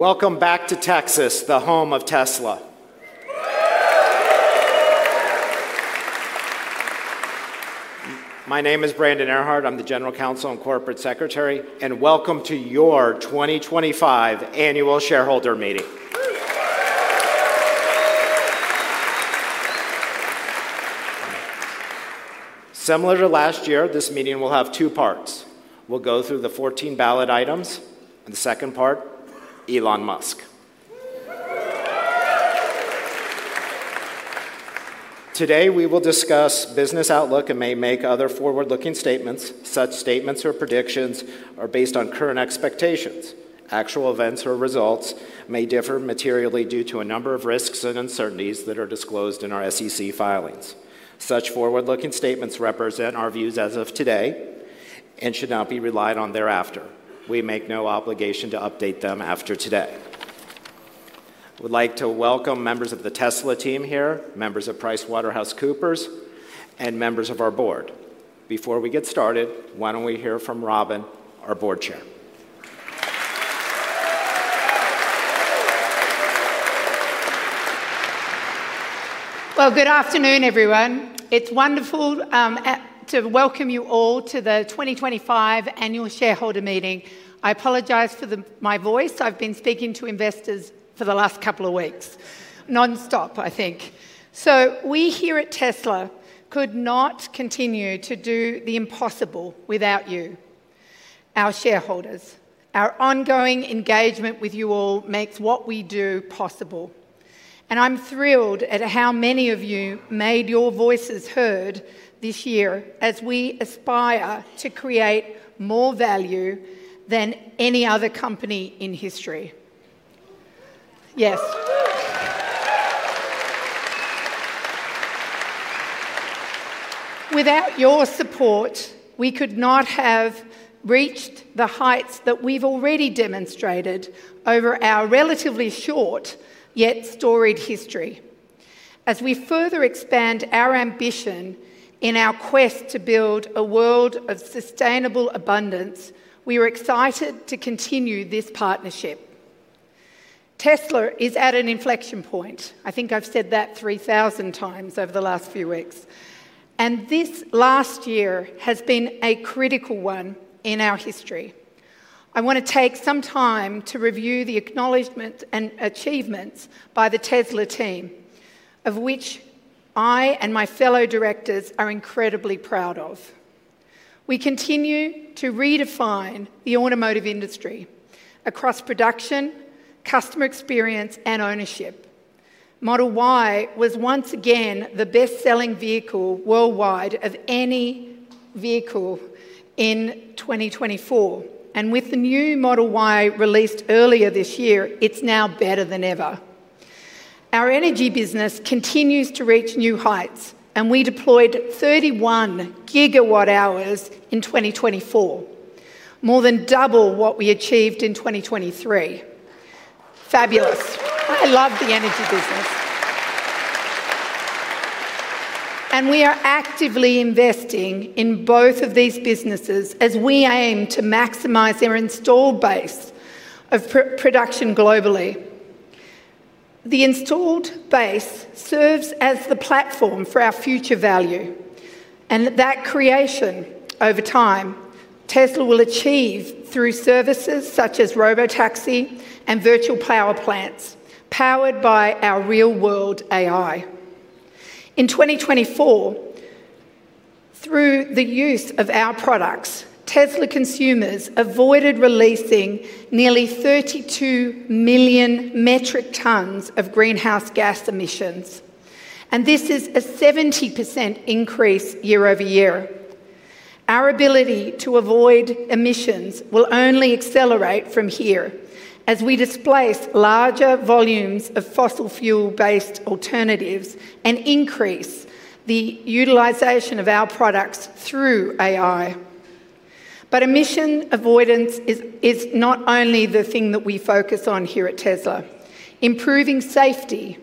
Welcome back to Texas, the home of Tesla. My name is Brandon Ehrhart. I'm the General Counsel and Corporate Secretary. Welcome to your 2025 Annual Shareholder Meeting. Similar to last year, this meeting will have two parts. We'll go through the 14 ballot items. The second part, Elon Musk. Today, we will discuss business outlook and may make other forward-looking statements. Such statements or predictions are based on current expectations. Actual events or results may differ materially due to a number of risks and uncertainties that are disclosed in our SEC filings. Such forward-looking statements represent our views as of today and should not be relied on thereafter. We make no obligation to update them after today. I would like to welcome members of the Tesla team here, members of PricewaterhouseCoopers, and members of our board. Before we get started, why don't we hear from Robyn, our Board Chair? Good afternoon, everyone. It's wonderful to welcome you all to the 2025 Annual Shareholder Meeting. I apologize for my voice. I've been speaking to investors for the last couple of weeks nonstop, I think. We here at Tesla could not continue to do the impossible without you. Our shareholders, our ongoing engagement with you all makes what we do possible. I'm thrilled at how many of you made your voices heard this year as we aspire to create more value than any other company in history. Yes. Without your support, we could not have reached the heights that we've already demonstrated over our relatively short yet storied history. As we further expand our ambition in our quest to build a world of sustainable abundance, we are excited to continue this partnership. Tesla is at an inflection point. I think I've said that 3,000 times over the last few weeks. This last year has been a critical one in our history. I want to take some time to review the acknowledgments and achievements by the Tesla team, of which I and my fellow directors are incredibly proud. We continue to redefine the automotive industry across production, customer experience, and ownership. Model Y was once again the best-selling vehicle worldwide of any vehicle in 2024. With the new Model Y released earlier this year, it's now better than ever. Our energy business continues to reach new heights, and we deployed 31 GW hours in 2024, more than double what we achieved in 2023. Fabulous. I love the energy business. We are actively investing in both of these businesses as we aim to maximize our installed base of production globally. The installed base serves as the platform for our future value. That creation over time, Tesla will achieve through services such as Robotaxi and Virtual Power Plants powered by our real-world AI. In 2024, through the use of our products, Tesla consumers avoided releasing nearly 32 million metric tons of greenhouse gas emissions. This is a 70% increase year-over-year. Our ability to avoid emissions will only accelerate from here as we displace larger volumes of fossil fuel-based alternatives and increase the utilization of our products through AI. Emission avoidance is not only the thing that we focus on here at Tesla. Improving safety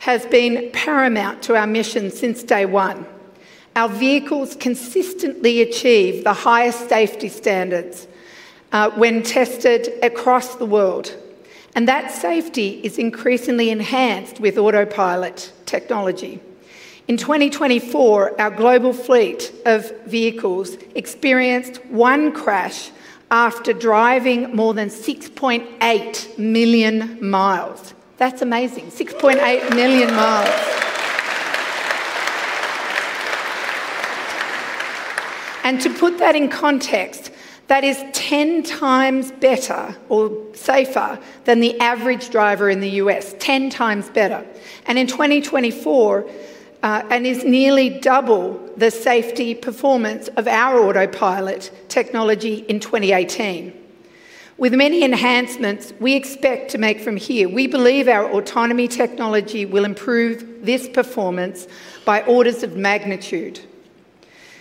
has been paramount to our mission since day one. Our vehicles consistently achieve the highest safety standards when tested across the world. That safety is increasingly enhanced with Autopilot technology. In 2024, our global fleet of vehicles experienced one crash after driving more than 6.8 million mi. That's amazing. 6.8 million mi. To put that in context, that is 10 times better or safer than the average driver in the U.S. 10 times better. In 2024, it is nearly double the safety performance of our Autopilot technology in 2018. With many enhancements we expect to make from here, we believe our autonomy technology will improve this performance by orders of magnitude.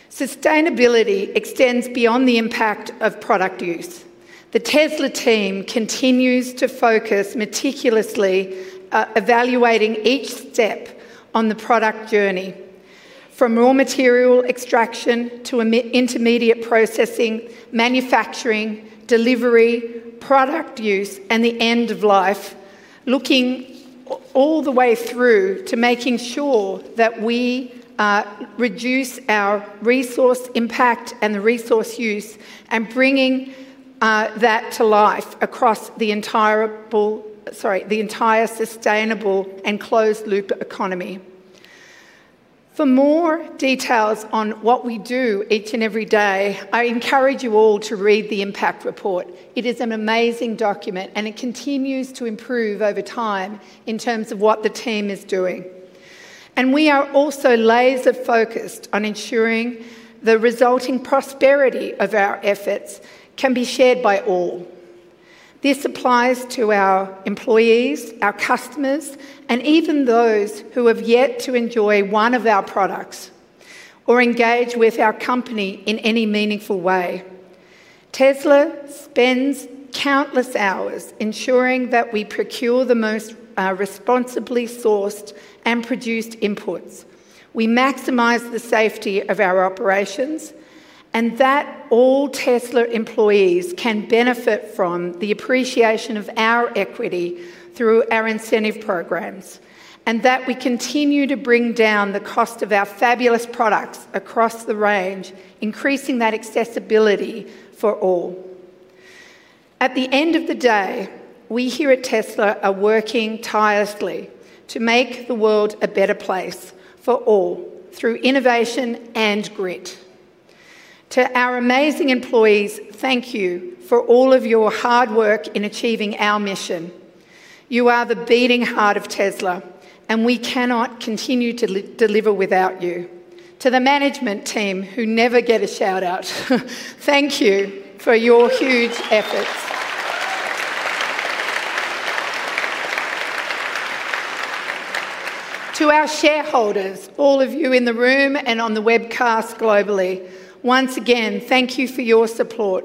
Sustainability extends beyond the impact of product use. The Tesla team continues to focus meticulously, evaluating each step on the product journey, from raw material extraction to intermediate processing, manufacturing, delivery, product use, and the end of life, looking all the way through to making sure that we reduce our resource impact and the resource use and bringing that to life across the entire. Sustainable and closed-loop economy. For more details on what we do each and every day, I encourage you all to read the Impact Report. It is an amazing document, and it continues to improve over time in terms of what the team is doing. We are also laser-focused on ensuring the resulting prosperity of our efforts can be shared by all. This applies to our employees, our customers, and even those who have yet to enjoy one of our products or engage with our company in any meaningful way. Tesla spends countless hours ensuring that we procure the most responsibly sourced and produced inputs. We maximize the safety of our operations, and that all Tesla employees can benefit from the appreciation of our equity through our incentive programs, and that we continue to bring down the cost of our fabulous products across the range, increasing that accessibility for all. At the end of the day, we here at Tesla are working tirelessly to make the world a better place for all through innovation and grit. To our amazing employees, thank you for all of your hard work in achieving our mission. You are the beating heart of Tesla, and we cannot continue to deliver without you. To the management team who never get a shout-out, thank you for your huge efforts. To our shareholders, all of you in the room and on the webcast globally, once again, thank you for your support.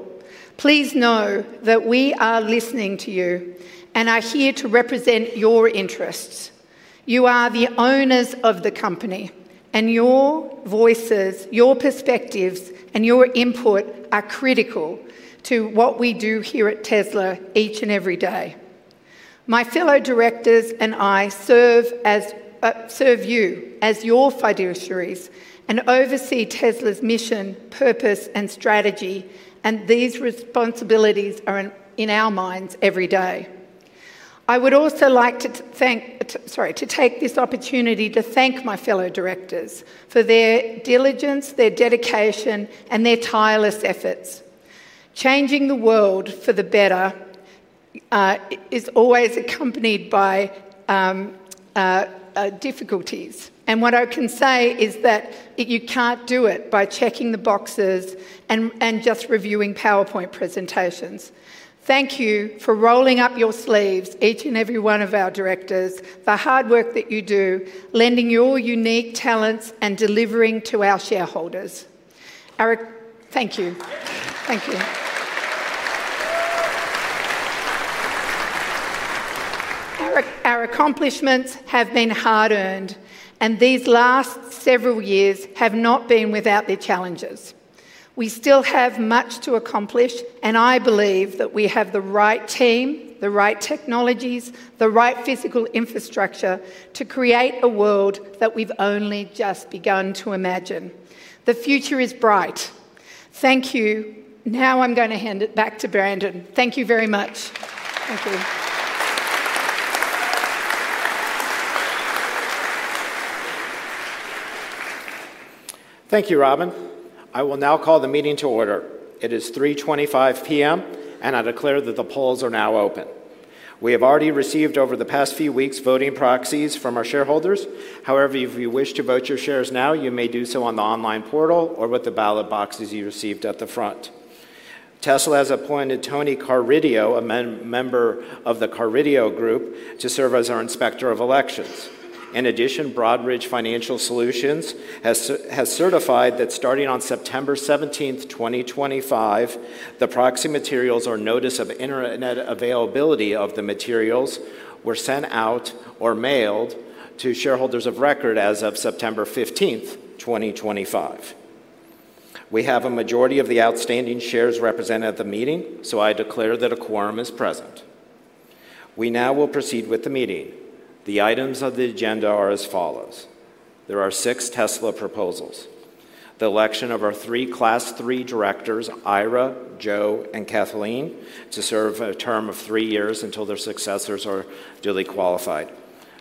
Please know that we are listening to you and are here to represent your interests. You are the owners of the company, and your voices, your perspectives, and your input are critical to what we do here at Tesla each and every day. My fellow directors and I serve you as your fiduciaries and oversee Tesla's mission, purpose, and strategy. These responsibilities are in our minds every day. I would also like to take this opportunity to thank my fellow directors for their diligence, their dedication, and their tireless efforts. Changing the world for the better is always accompanied by difficulties. What I can say is that you can't do it by checking the boxes and just reviewing PowerPoint presentations. Thank you for rolling up your sleeves, each and every one of our directors, the hard work that you do, lending your unique talents, and delivering to our shareholders. Thank you. Thank you. Our accomplishments have been hard-earned, and these last several years have not been without their challenges. We still have much to accomplish, and I believe that we have the right team, the right technologies, the right physical infrastructure to create a world that we've only just begun to imagine. The future is bright. Thank you. Now I'm going to hand it back to Brandon. Thank you very much. Thank you. Thank you, Robyn. I will now call the meeting to order. It is 3:25 P.M., and I declare that the polls are now open. We have already received over the past few weeks voting proxies from our shareholders. However, if you wish to vote your shares now, you may do so on the online portal or with the ballot boxes you received at the front. Tesla has appointed Tony Garrido, a member of the Garrido Group, to serve as our inspector of elections. In addition, Broadridge Financial Solutions has certified that starting on September 17th 2025, the proxy materials or notice of internet availability of the materials were sent out or mailed to shareholders of record as of September 15th 2025. We have a majority of the outstanding shares represented at the meeting, so I declare that a quorum is present. We now will proceed with the meeting. The items of the agenda are as follows. There are six Tesla proposals: the election of our three Class III Directors, Ira, Joe, and Kathleen, to serve a term of three years until their successors are duly qualified.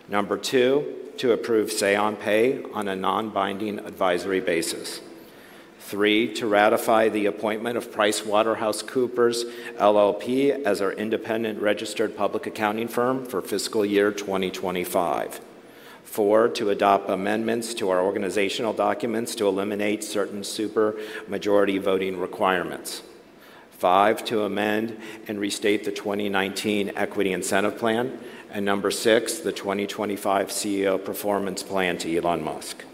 Number two, to approve say-on-pay on a non-binding advisory basis. Three, to ratify the appointment of PricewaterhouseCoopers LLP as our independent registered public accounting firm for fiscal year 2025. Four, to adopt amendments to our organizational documents to eliminate certain supermajority voting requirements. Five, to amend and restate the 2019 equity incentive plan. And number six, the 2025 CEO performance plan to Elon Musk.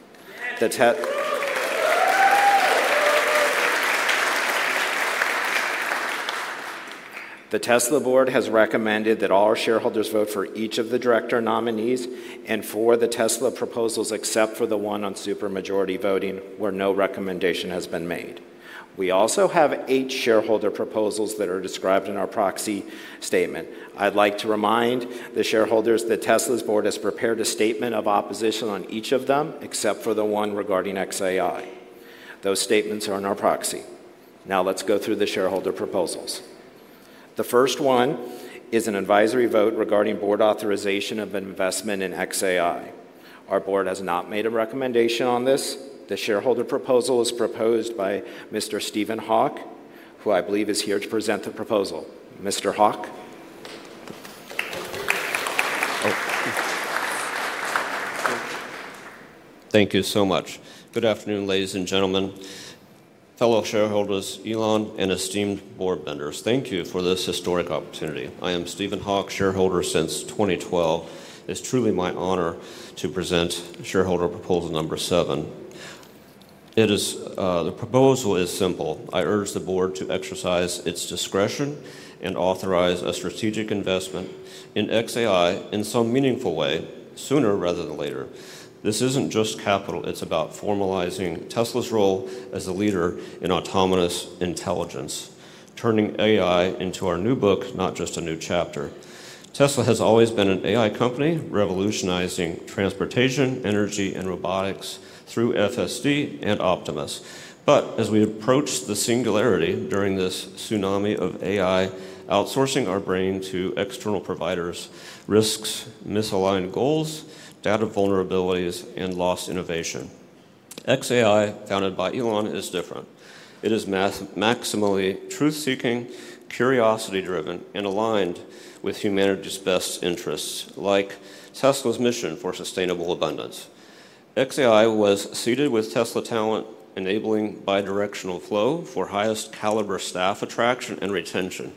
The Tesla board has recommended that all our shareholders vote for each of the director nominees and for the Tesla proposals except for the one on supermajority voting where no recommendation has been made. We also have eight shareholder proposals that are described in our proxy statement. I'd like to remind the shareholders that Tesla's board has prepared a statement of opposition on each of them except for the one regarding xAI. Those statements are in our proxy. Now let's go through the shareholder proposals. The first one is an advisory vote regarding board authorization of investment in xAI. Our board has not made a recommendation on this. The shareholder proposal is proposed by Mr. Stephen Hawk, who I believe is here to present the proposal. Mr. Hawk. Thank you so much. Good afternoon, ladies and gentlemen. Fellow shareholders, Elon, and esteemed board members, thank you for this historic opportunity. I am Stephen Hawk, shareholder since 2012. It is truly my honor to present shareholder proposal number seven. The proposal is simple. I urge the board to exercise its discretion and authorize a strategic investment in xAI in some meaningful way, sooner rather than later. This isn't just capital. It's about formalizing Tesla's role as a leader in autonomous intelligence, turning AI into our new book, not just a new chapter. Tesla has always been an AI company revolutionizing transportation, energy, and robotics through FSD and Optimus. As we approach the singularity during this tsunami of AI outsourcing our brain to external providers, risks misalign goals, data vulnerabilities, and lost innovation. xAI, founded by Elon, is different. It is maximally truth-seeking, curiosity-driven, and aligned with humanity's best interests, like Tesla's mission for sustainable abundance. xAI was seeded with Tesla talent, enabling bidirectional flow for highest caliber staff attraction and retention.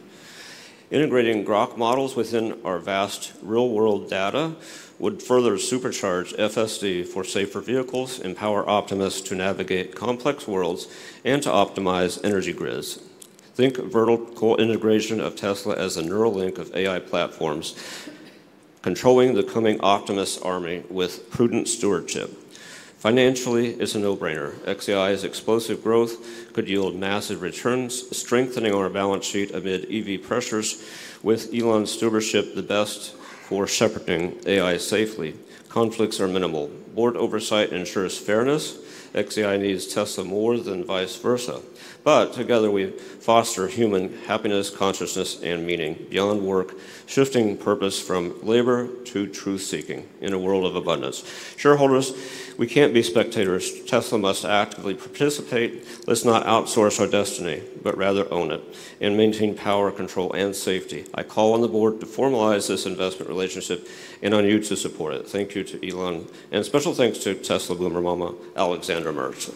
Integrating Grok models within our vast real-world data would further supercharge FSD for safer vehicles and power Optimus to navigate complex worlds and to optimize energy grids. Think vertical integration of Tesla as a neural link of AI platforms. Controlling the coming Optimus army with prudent stewardship. Financially, it's a no-brainer. xAI's explosive growth could yield massive returns, strengthening our balance sheet amid EV pressures with Elon's stewardship the best for shepherding AI safely. Conflicts are minimal. Board oversight ensures fairness. xAI needs Tesla more than vice versa. Together, we foster human happiness, consciousness, and meaning beyond work, shifting purpose from labor to truth-seeking in a world of abundance. Shareholders, we can't be spectators. Tesla must actively participate. Let's not outsource our destiny, but rather own it and maintain power, control, and safety. I call on the board to formalize this investment relationship and on you to support it. Thank you to Elon and special thanks to Tesla Boomer Mama, Alexander Mercer.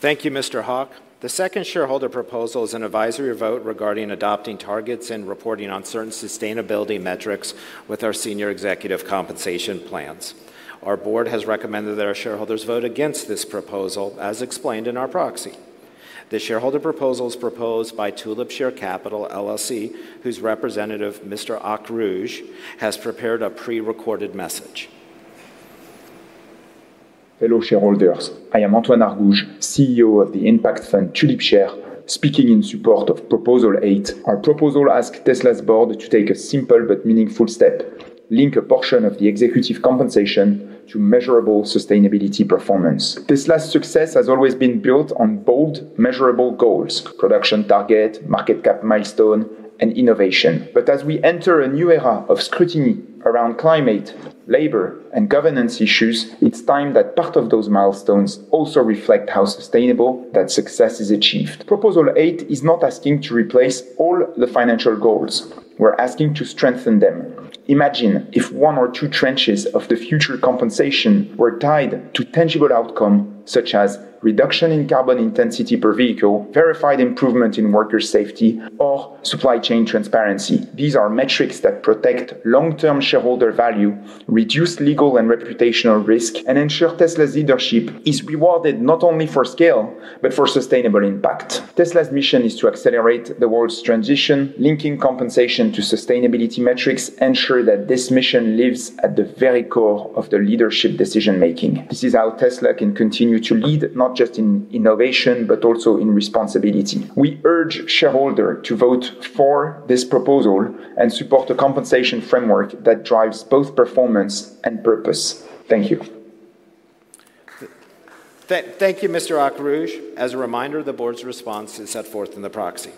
Thank you, Mr. Hawk. The second shareholder proposal is an advisory vote regarding adopting targets and reporting on certain sustainability metrics with our senior executive compensation plans. Our Board has recommended that our shareholders vote against this proposal, as explained in our proxy. The shareholder proposal is proposed by Tulipshare Capital LLC, whose representative, Mr. Argouges, has prepared a pre-recorded message. Hello shareholders. I am Antoine Argouges, CEO of the impact fund Tulipshare, speaking in support of proposal eight. Our proposal asks Tesla's board to take a simple but meaningful step: link a portion of the executive compensation to measurable sustainability performance. Tesla's success has always been built on bold, measurable goals: production target, market cap milestone, and innovation. As we enter a new era of scrutiny around climate, labor, and governance issues, it's time that part of those milestone also reflect how sustainable that success is achieved. Proposal eight is not asking to replace all the financial goals. We're asking to strengthen them. Imagine if one or two tranches of the future compensation were tied to tangible outcomes such as reduction in carbon intensity per vehicle, verified improvement in worker safety, or supply chain transparency. These are metrics that protect long-term shareholder value, reduce legal and reputational risk, and ensure Tesla's leadership is rewarded not only for scale, but for sustainable impact. Tesla's mission is to accelerate the world's transition, linking compensation to sustainability metrics, and ensure that this mission lives at the very core of the leadership decision-making. This is how Tesla can continue to lead, not just in innovation, but also in responsibility. We urge shareholders to vote for this proposal and support a compensation framework that drives both performance and purpose. Thank you. Thank you, Mr. Argouges. As a reminder, the board's response is set forth in the proxy.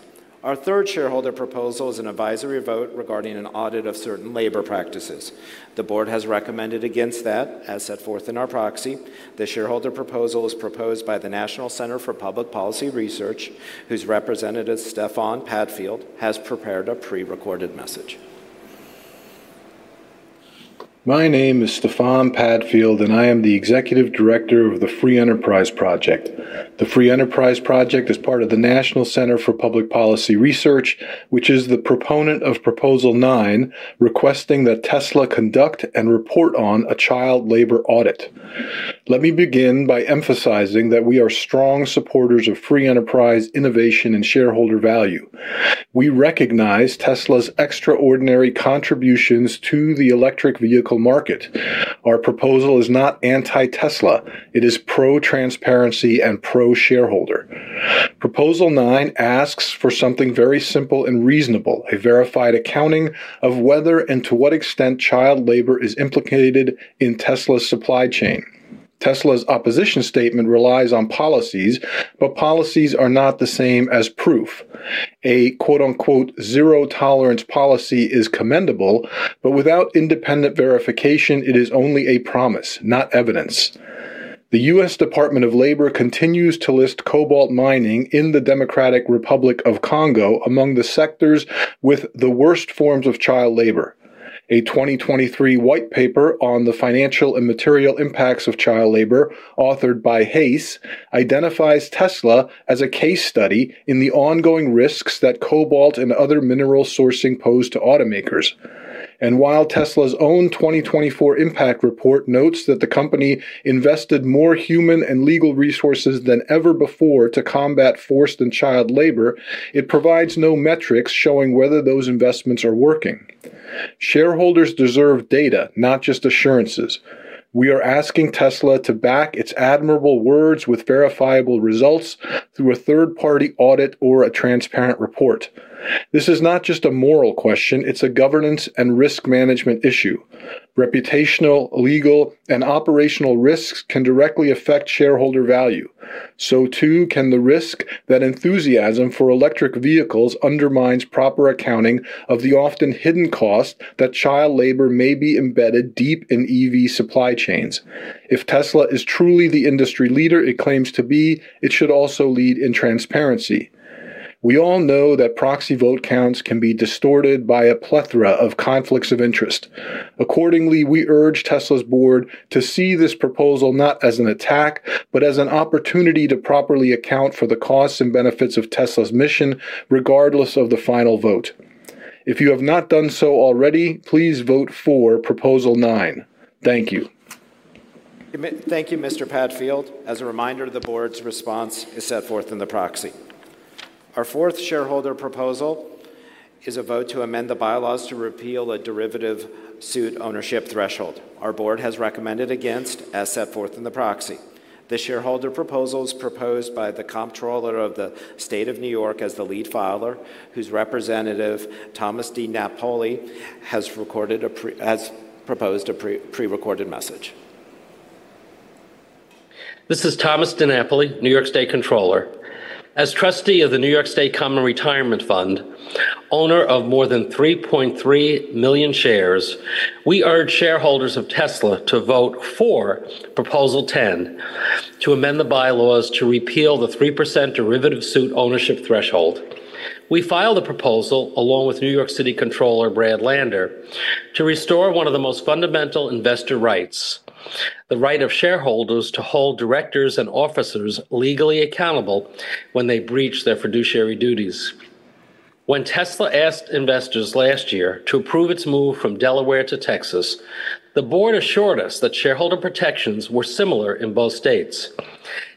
Our third shareholder proposal is an advisory vote regarding an audit of certain labor practices. The board has recommended against that, as set forth in our proxy. The shareholder proposal is proposed by the National Center for Public Policy Research, whose representative, Stefan Padfield, has prepared a pre-recorded message. My name is Stefan Padfield, and I am the Executive Director of the Free Enterprise Project. The Free Enterprise Project is part of the National Center for Public Policy Research, which is the proponent of proposal nine requesting that Tesla conduct and report on a child labor audit. Let me begin by emphasizing that we are strong supporters of free enterprise innovation and shareholder value. We recognize Tesla's extraordinary contributions to the electric vehicle market. Our proposal is not anti-Tesla. It is pro-transparency and pro-shareholder. Proposal nine asks for something very simple and reasonable: a verified accounting of whether and to what extent child labor is implicated in Tesla's supply chain. Tesla's opposition statement relies on policies, but policies are not the same as proof. A "zero tolerance" policy is commendable, but without independent verification, it is only a promise, not evidence. The U.S. Department of Labor continues to list cobalt mining in the Democratic Republic of Congo among the sectors with the worst forms of child labor. A 2023 white paper on the financial and material impacts of child labor, authored by HACE, identifies Tesla as a case study in the ongoing risks that cobalt and other mineral sourcing pose to automakers. While Tesla's own 2024 impact report notes that the company invested more human and legal resources than ever before to combat forced and child labor, it provides no metrics showing whether those investments are working. Shareholders deserve data, not just assurances. We are asking Tesla to back its admirable words with verifiable results through a third-party audit or a transparent report. This is not just a moral question. It is a governance and risk management issue. Reputational, legal, and operational risks can directly affect shareholder value. Too can the risk that enthusiasm for electric vehicles undermines proper accounting of the often hidden cost that child labor may be embedded deep in EV supply chains. If Tesla is truly the industry leader it claims to be, it should also lead in transparency. We all know that proxy vote counts can be distorted by a plethora of conflicts of interest. Accordingly, we urge Tesla's board to see this proposal not as an attack, but as an opportunity to properly account for the costs and benefits of Tesla's mission, regardless of the final vote. If you have not done so already, please vote for proposal nine. Thank you. Thank you, Mr. Padfield. As a reminder, the board's response is set forth in the proxy. Our fourth shareholder proposal is a vote to amend the bylaws to repeal a derivative suit ownership threshold. Our board has recommended against as set forth in the proxy. The shareholder proposal is proposed by the Comptroller of the State of New York as the lead filer, whose representative, Thomas DiNapoli, has proposed a pre-recorded message. This is Thomas DiNapoli, New York State Comptroller. As trustee of the New York State Common Retirement Fund, owner of more than 3.3 million shares, we urge shareholders of Tesla to vote for proposal 10 to amend the bylaws to repeal the 3% derivative suit ownership threshold. We file the proposal along with New York City Comptroller Brad Lander to restore one of the most fundamental investor rights: the right of shareholders to hold directors and officers legally accountable when they breach their fiduciary duties. When Tesla asked investors last year to approve its move from Delaware to Texas, the board assured us that shareholder protections were similar in both states.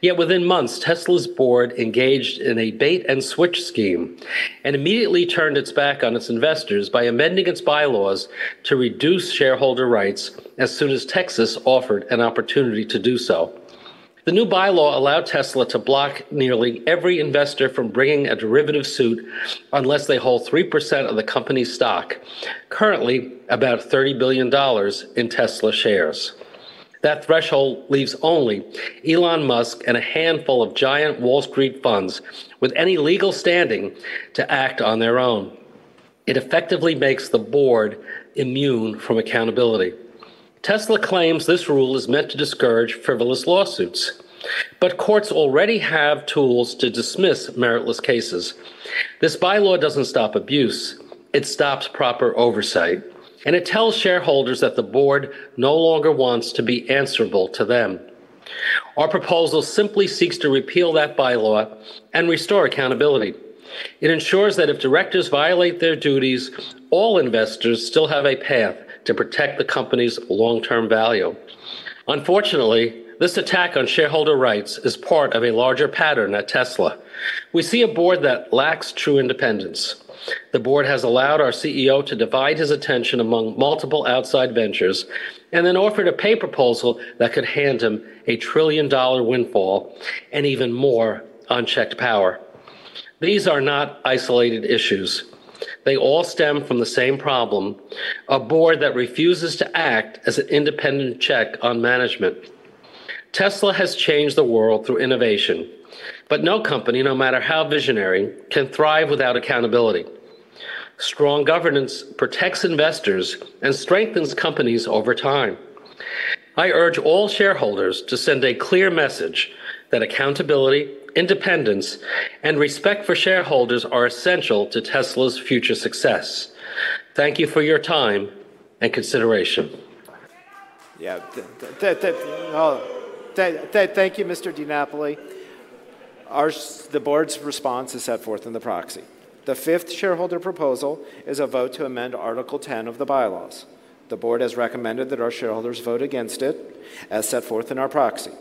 Yet within months, Tesla's board engaged in a bait-and-switch scheme and immediately turned its back on its investors by amending its bylaws to reduce shareholder rights as soon as Texas offered an opportunity to do so. The new bylaw allowed Tesla to block nearly every investor from bringing a derivative suit unless they hold 3% of the company's stock, currently about $30 billion in Tesla shares. That threshold leaves only Elon Musk and a handful of giant Wall Street funds with any legal standing to act on their own. It effectively makes the board immune from accountability. Tesla claims this rule is meant to discourage frivolous lawsuits, but courts already have tools to dismiss meritless cases. This bylaw doesn't stop abuse. It stops proper oversight, and it tells shareholders that the board no longer wants to be answerable to them. Our proposal simply seeks to repeal that bylaw and restore accountability. It ensures that if directors violate their duties, all investors still have a path to protect the company's long-term value. Unfortunately, this attack on shareholder rights is part of a larger pattern at Tesla. We see a board that lacks true independence. The board has allowed our CEO to divide his attention among multiple outside ventures and then offered a pay proposal that could hand him $1 trillion windfall and even more unchecked power. These are not isolated issues. They all stem from the same problem. A board that refuses to act as an independent check on management. Tesla has changed the world through innovation, but no company, no matter how visionary, can thrive without accountability. Strong governance protects investors and strengthens companies over time. I urge all shareholders to send a clear message that accountability, independence, and respect for shareholders are essential to Tesla's future success. Thank you for your time and consideration. Yeah. Thank you, Mr. DiNapoli. The board's response is set forth in the proxy. The fifth shareholder proposal is a vote to amend Article 10 of the bylaws. The board has recommended that our shareholders vote against it as set forth in our proxy.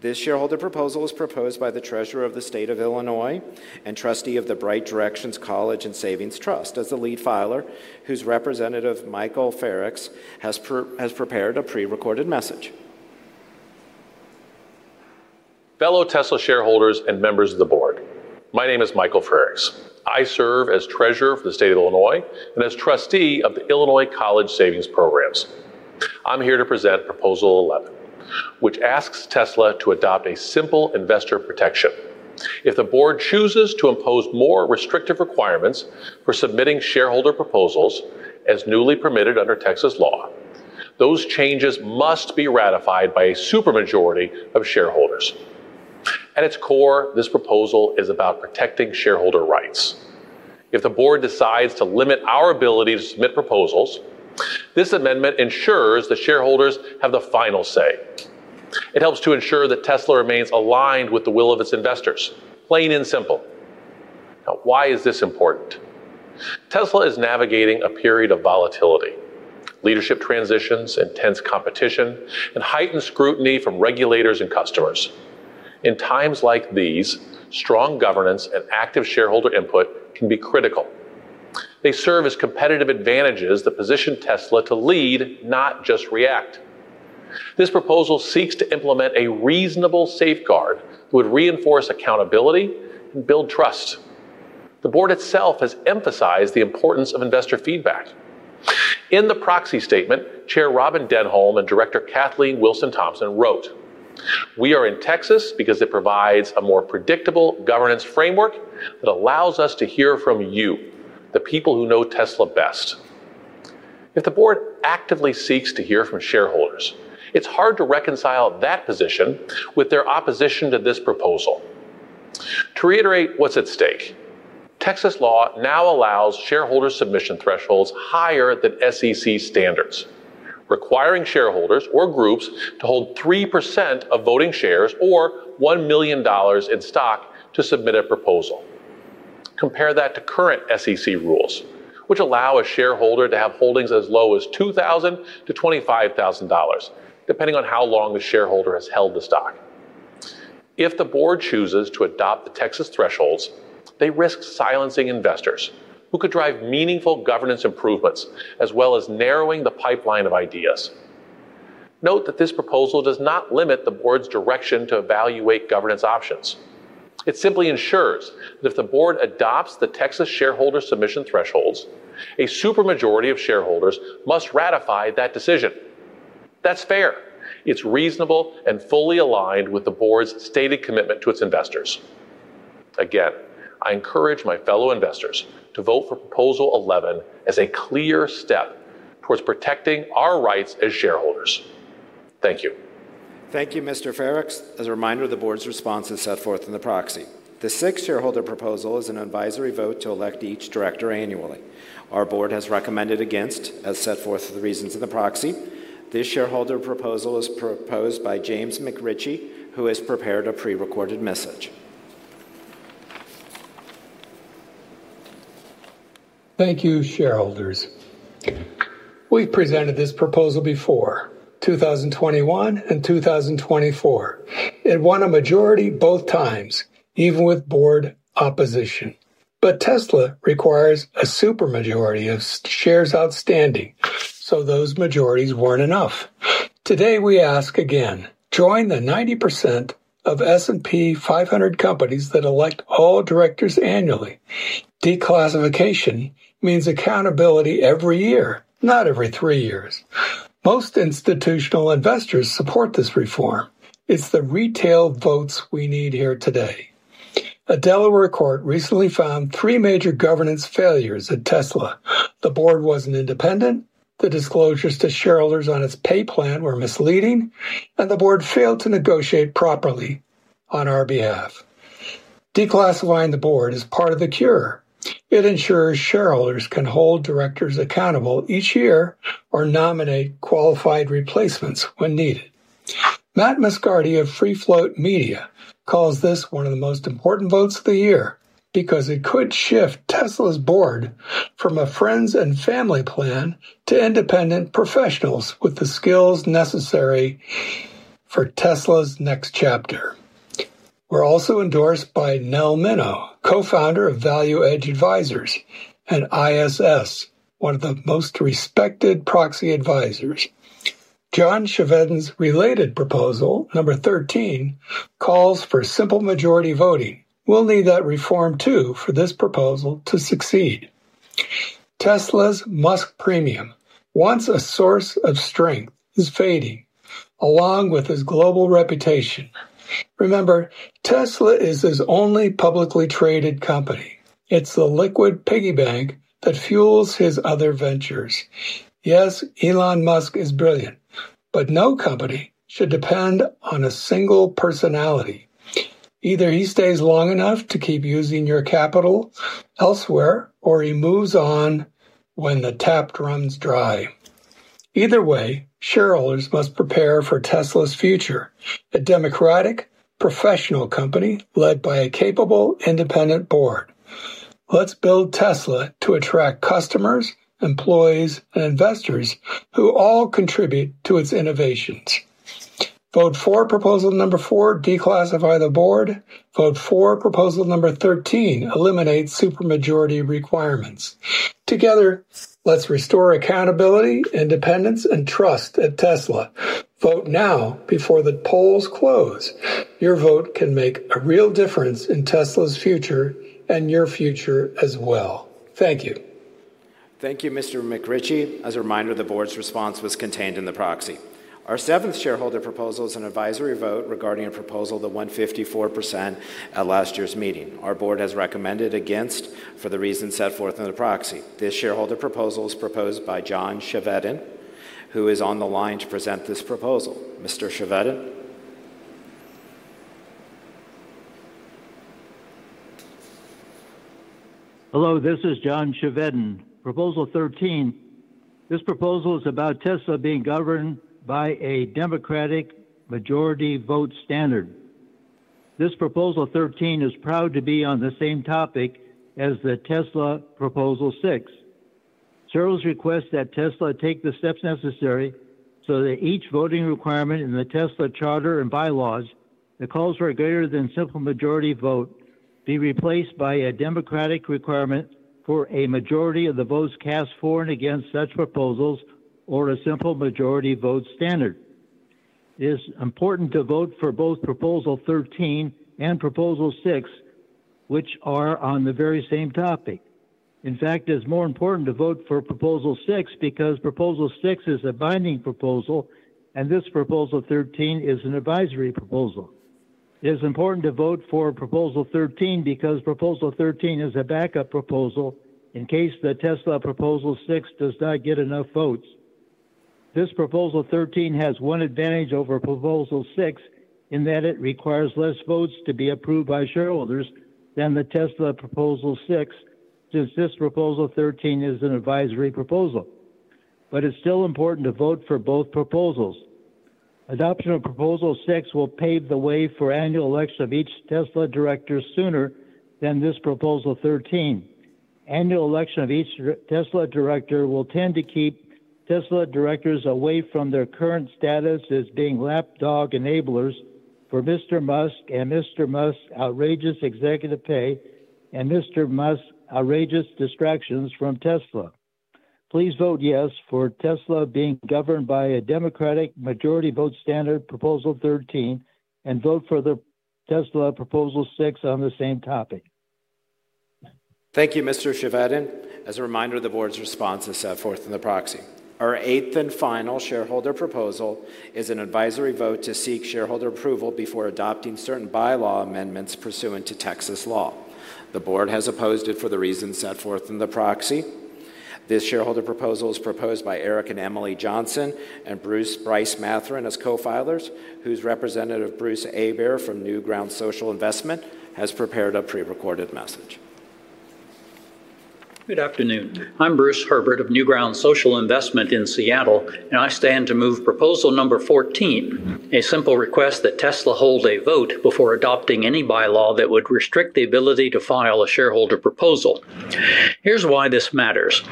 This shareholder proposal is proposed by the Treasurer of the State of Illinois and Trustee of the Bright Directions College and Savings Trust as the lead filer, whose representative, Michael Frerichs, has prepared a pre-recorded message. Fellow Tesla shareholders and members of the board, my name is Michael Frerichs. I serve as Treasurer for the State of Illinois and as Trustee of the Illinois College Savings Programs. I'm here to present proposal 11, which asks Tesla to adopt a simple investor protection. If the board chooses to impose more restrictive requirements for submitting shareholder proposals as newly permitted under Texas law, those changes must be ratified by a supermajority of shareholders. At its core, this proposal is about protecting shareholder rights. If the board decides to limit our ability to submit proposals, this amendment ensures that shareholders have the final say. It helps to ensure that Tesla remains aligned with the will of its investors. Plain and simple. Now, why is this important? Tesla is navigating a period of volatility: leadership transitions, intense competition, and heightened scrutiny from regulators and customers. In times like these, strong governance and active shareholder input can be critical. They serve as competitive advantages that position Tesla to lead, not just react. This proposal seeks to implement a reasonable safeguard that would reinforce accountability and build trust. The board itself has emphasized the importance of investor feedback. In the proxy statement, Chair Robyn Denholm and Director Kathleen Wilson-Thompson wrote, "We are in Texas because it provides a more predictable governance framework that allows us to hear from you, the people who know Tesla best." If the board actively seeks to hear from shareholders, it's hard to reconcile that position with their opposition to this proposal. To reiterate what's at stake, Texas law now allows shareholder submission thresholds higher than SEC standards, requiring shareholders or groups to hold 3% of voting shares or $1 million in stock to submit a proposal. Compare that to current SEC rules, which allow a shareholder to have holdings as low as $2,000 to $25,000, depending on how long the shareholder has held the stock. If the board chooses to adopt the Texas thresholds, they risk silencing investors who could drive meaningful governance improvements as well as narrowing the pipeline of ideas. Note that this proposal does not limit the board's direction to evaluate governance options. It simply ensures that if the board adopts the Texas shareholder submission thresholds, a supermajority of shareholders must ratify that decision. That's fair. It's reasonable and fully aligned with the board's stated commitment to its investors. Again, I encourage my fellow investors to vote for proposal 11 as a clear step towards protecting our rights as shareholders. Thank you. Thank you, Mr. Frerichs. As a reminder, the board's response is set forth in the proxy. The sixth shareholder proposal is an advisory vote to elect each director annually. Our board has recommended against, as set forth the reasons in the proxy. This shareholder proposal is proposed by James McRitchie, who has prepared a pre-recorded message. Thank you, shareholders. We've presented this proposal before, 2021 and 2024, and won a majority both times, even with board opposition. Tesla requires a supermajority of shares outstanding, so those majorities weren't enough. Today, we ask again, join the 90% of S&P 500 companies that elect all directors annually. Declassification means accountability every year, not every three years. Most institutional investors support this reform. It's the retail votes we need here today. A Delaware court recently found three major governance failures at Tesla. The board wasn't independent, the disclosures to shareholders on its pay plan were misleading, and the board failed to negotiate properly on our behalf. Declassifying the board is part of the cure. It ensures shareholders can hold directors accountable each year or nominate qualified replacements when needed. Matt Moscardi of Free Float Media calls this one of the most important votes of the year because it could shift Tesla's board from a friends and family plan to independent professionals with the skills necessary for Tesla's next chapter. We're also endorsed by Nell Minow, co-founder of ValueEdge Advisors, and ISS, one of the most respected proxy advisors. John Chevedden's related proposal, number 13, calls for simple majority voting. We'll need that reform too for this proposal to succeed. Tesla's Musk premium, once a source of strength, is fading along with his global reputation. Remember, Tesla is his only publicly traded company. It's the liquid piggy bank that fuels his other ventures. Yes, Elon Musk is brilliant, but no company should depend on a single personality. Either he stays long enough to keep using your capital elsewhere, or he moves on when the tap runs dry. Either way, shareholders must prepare for Tesla's future, a democratic, professional company led by a capable, independent board. Let's build Tesla to attract customers, employees, and investors who all contribute to its innovations. Vote for proposal number four, declassify the board. Vote for proposal number 13, eliminate supermajority requirements. Together, let's restore accountability, independence, and trust at Tesla. Vote now before the polls close. Your vote can make a real difference in Tesla's future and your future as well. Thank you. Thank you, Mr. McRitchie. As a reminder, the board's response was contained in the proxy. Our seventh shareholder proposal is an advisory vote regarding a proposal that went 54% at last year's meeting. Our board has recommended against for the reasons set forth in the proxy. This shareholder proposal is proposed by John Chevedden, who is on the line to present this proposal. Mr. Chevedden. Hello, this is John Chevedden. Proposal 13. This proposal is about Tesla being governed by a democratic majority vote standard. This proposal 13 is proud to be on the same topic as the Tesla proposal six. Serve as a request that Tesla take the steps necessary so that each voting requirement in the Tesla charter and bylaws, the calls for a greater than simple majority vote, be replaced by a democratic requirement for a majority of the votes cast for and against such proposals or a simple majority vote standard. It is important to vote for both proposal 13 and proposal six, which are on the very same topic. In fact, it is more important to vote for proposal six because proposal six is a binding proposal and this proposal 13 is an advisory proposal. It is important to vote for proposal 13 because proposal 13 is a backup proposal in case the Tesla proposal six does not get enough votes. This proposal 13 has one advantage over proposal six in that it requires less votes to be approved by shareholders than the Tesla proposal six since this proposal 13 is an advisory proposal. It is still important to vote for both proposals. Adoption of proposal six will pave the way for annual elections of each Tesla director sooner than this proposal 13. Annual elections of each Tesla director will tend to keep Tesla directors away from their current status as being lapdog enablers for Mr. Musk and Mr. Musk's outrageous executive pay and Mr. Musk's outrageous distractions from Tesla. Please vote yes for Tesla being governed by a democratic majority vote standard proposal 13 and vote for the Tesla proposal six on the same topic. Thank you, Mr. Chevedden. As a reminder, the board's response is set forth in the proxy. Our eighth and final shareholder proposal is an advisory vote to seek shareholder approval before adopting certain bylaw amendments pursuant to Texas law. The board has opposed it for the reasons set forth in the proxy. This shareholder proposal is proposed by Eric and Emily Johnson and Bruce Bryce Mathern as co-filers, whose representative Bruce Herbert from Newground Social Investment has prepared a pre-recorded message. Good afternoon. I'm Bruce Herbert of Newgrounds Social Investment in Seattle, and I stand to move proposal number 14, a simple request that Tesla hold a vote before adopting any bylaw that would restrict the ability to file a shareholder proposal. Here's why this matters.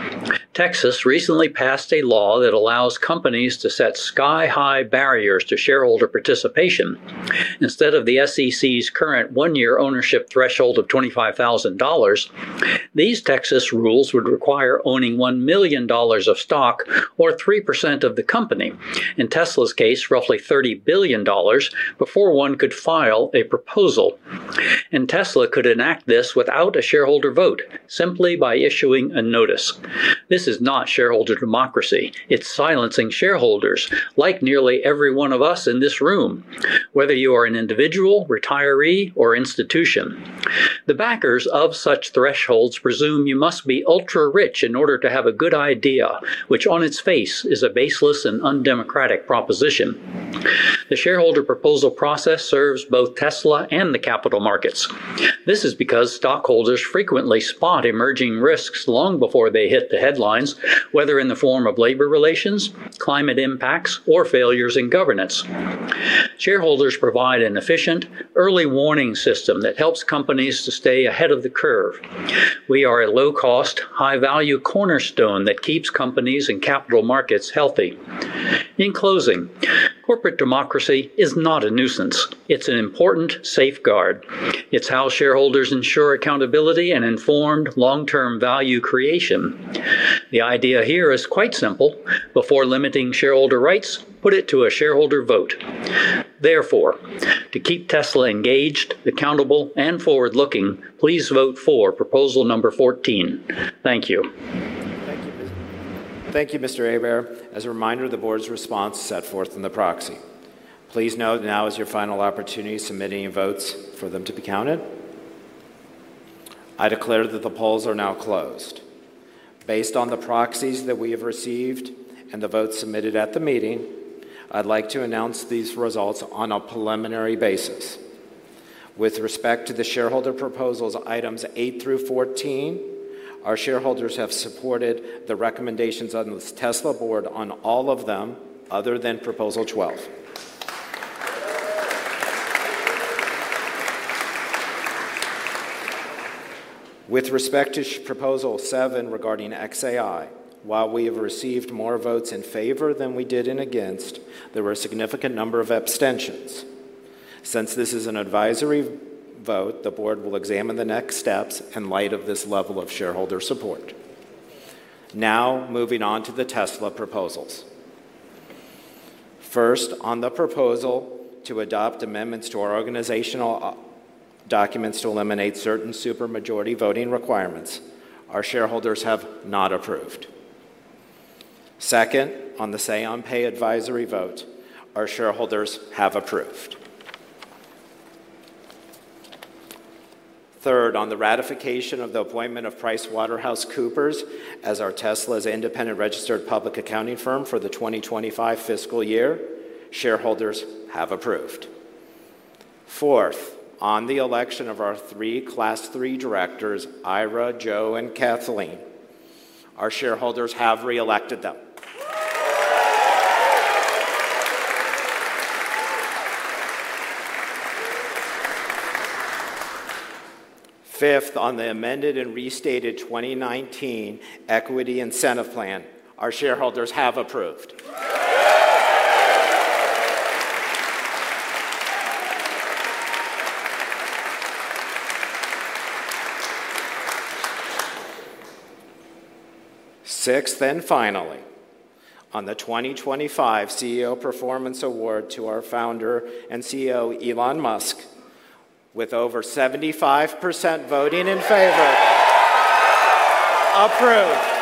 Texas recently passed a law that allows companies to set sky-high barriers to shareholder participation. Instead of the SEC's current one-year ownership threshold of $25,000, these Texas rules would require owning $1 million of stock or 3% of the company. In Tesla's case, roughly $30 billion before one could file a proposal. Tesla could enact this without a shareholder vote, simply by issuing a notice. This is not shareholder democracy. It's silencing shareholders, like nearly every one of us in this room, whether you are an individual, retiree, or institution. The backers of such thresholds presume you must be ultra-rich in order to have a good idea, which on its face is a baseless and undemocratic proposition. The shareholder proposal process serves both Tesla and the capital markets. This is because stockholders frequently spot emerging risks long before they hit the headlines, whether in the form of labor relations, climate impacts, or failures in governance. Shareholders provide an efficient early warning system that helps companies to stay ahead of the curve. We are a low-cost, high-value cornerstone that keeps companies and capital markets healthy. In closing, corporate democracy is not a nuisance. It's an important safeguard. It's how shareholders ensure accountability and informed long-term value creation. The idea here is quite simple. Before limiting shareholder rights, put it to a shareholder vote. Therefore, to keep Tesla engaged, accountable, and forward-looking, please vote for proposal number 14. Thank you. Thank you, Mr. Herbert. As a reminder, the board's response is set forth in the proxy. Please note now is your final opportunity to submit any votes for them to be counted. I declare that the polls are now closed. Based on the proxies that we have received and the votes submitted at the meeting, I'd like to announce these results on a preliminary basis. With respect to the shareholder proposals items eight through 14, our shareholders have supported the recommendations of the Tesla board on all of them other than proposal 12. With respect to proposal seven regarding xAI, while we have received more votes in favor than we did against, there were a significant number of abstentions. Since this is an advisory vote, the board will examine the next steps in light of this level of shareholder support. Now, moving on to the Tesla proposals. First, on the proposal to adopt amendments to our organizational documents to eliminate certain supermajority voting requirements, our shareholders have not approved. Second, on the say-on-pay advisory vote, our shareholders have approved. Third, on the ratification of the appointment of PricewaterhouseCoopers as our Tesla's independent registered public accounting firm for the 2025 fiscal year, shareholders have approved. Fourth, on the election of our three Class III directors, Ira, Joe, and Kathleen, our shareholders have re-elected them. Fifth, on the amended and restated 2019 equity incentive plan, our shareholders have approved. Sixth and finally, on the 2025 CEO Performance Award to our founder and CEO, Elon Musk, with over 75% voting in favor. Approved.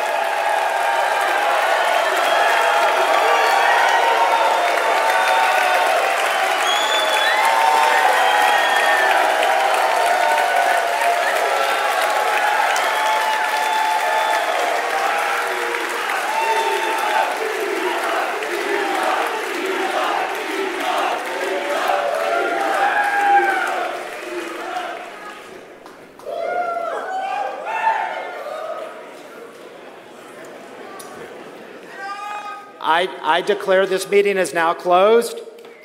I declare this meeting is now closed.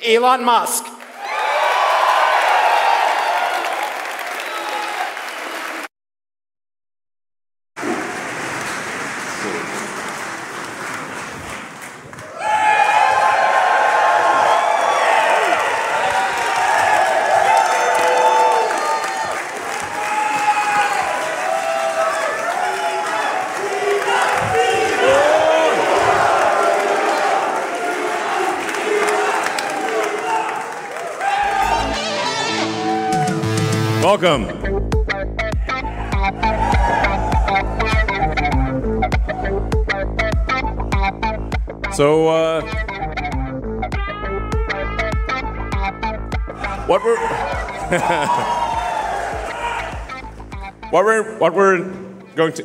Elon Musk. Welcome. What we're going to.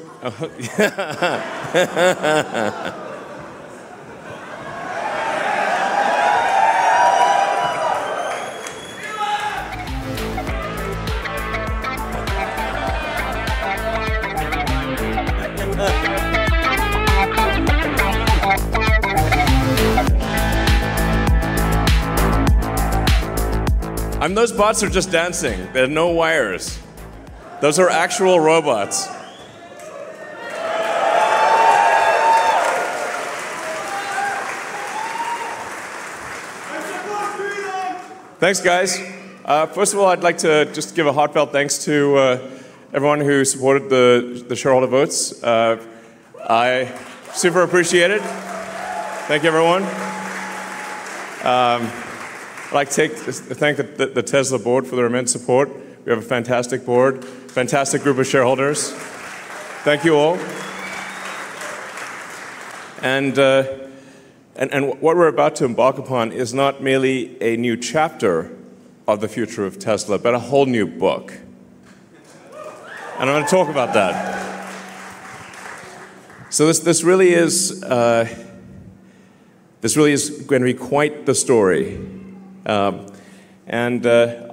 Those bots are just dancing. They have no wires. Those are actual robots. Thanks, guys. First of all, I'd like to just give a heartfelt thanks to everyone who supported the shareholder votes. I super appreciate it. Thank you, everyone. I'd like to thank the Tesla board for their immense support. We have a fantastic board, fantastic group of shareholders. Thank you all. What we're about to embark upon is not merely a new chapter of the future of Tesla, but a whole new book. I'm going to talk about that. This really is going to be quite the story.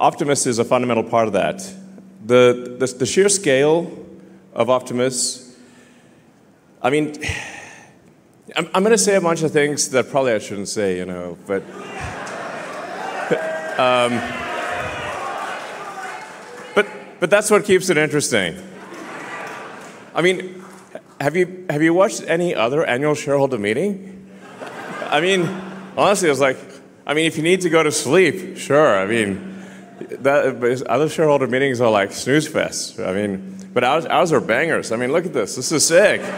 Optimus is a fundamental part of that. The sheer scale of Optimus. I mean, I'm going to say a bunch of things that probably I shouldn't say, you know, but that's what keeps it interesting. I mean, have you watched any other annual shareholder meeting? I mean, honestly, it was like, I mean, if you need to go to sleep, sure. I mean, other shareholder meetings are like snooze fests. I mean, but ours are bangers. I mean, look at this. This is sick. We've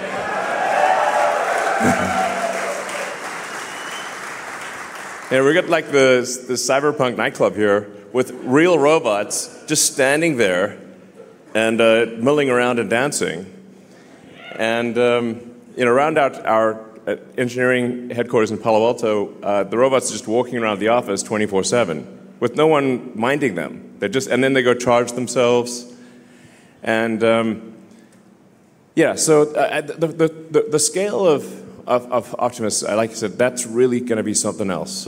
got like the cyberpunk nightclub here with real robots just standing there and milling around and dancing. Around our engineering headquarters in Palo Alto, the robots are just walking around the office 24/7 with no one minding them. Then they go charge themselves. Yeah, so the scale of Optimus, like I said, that's really going to be something else.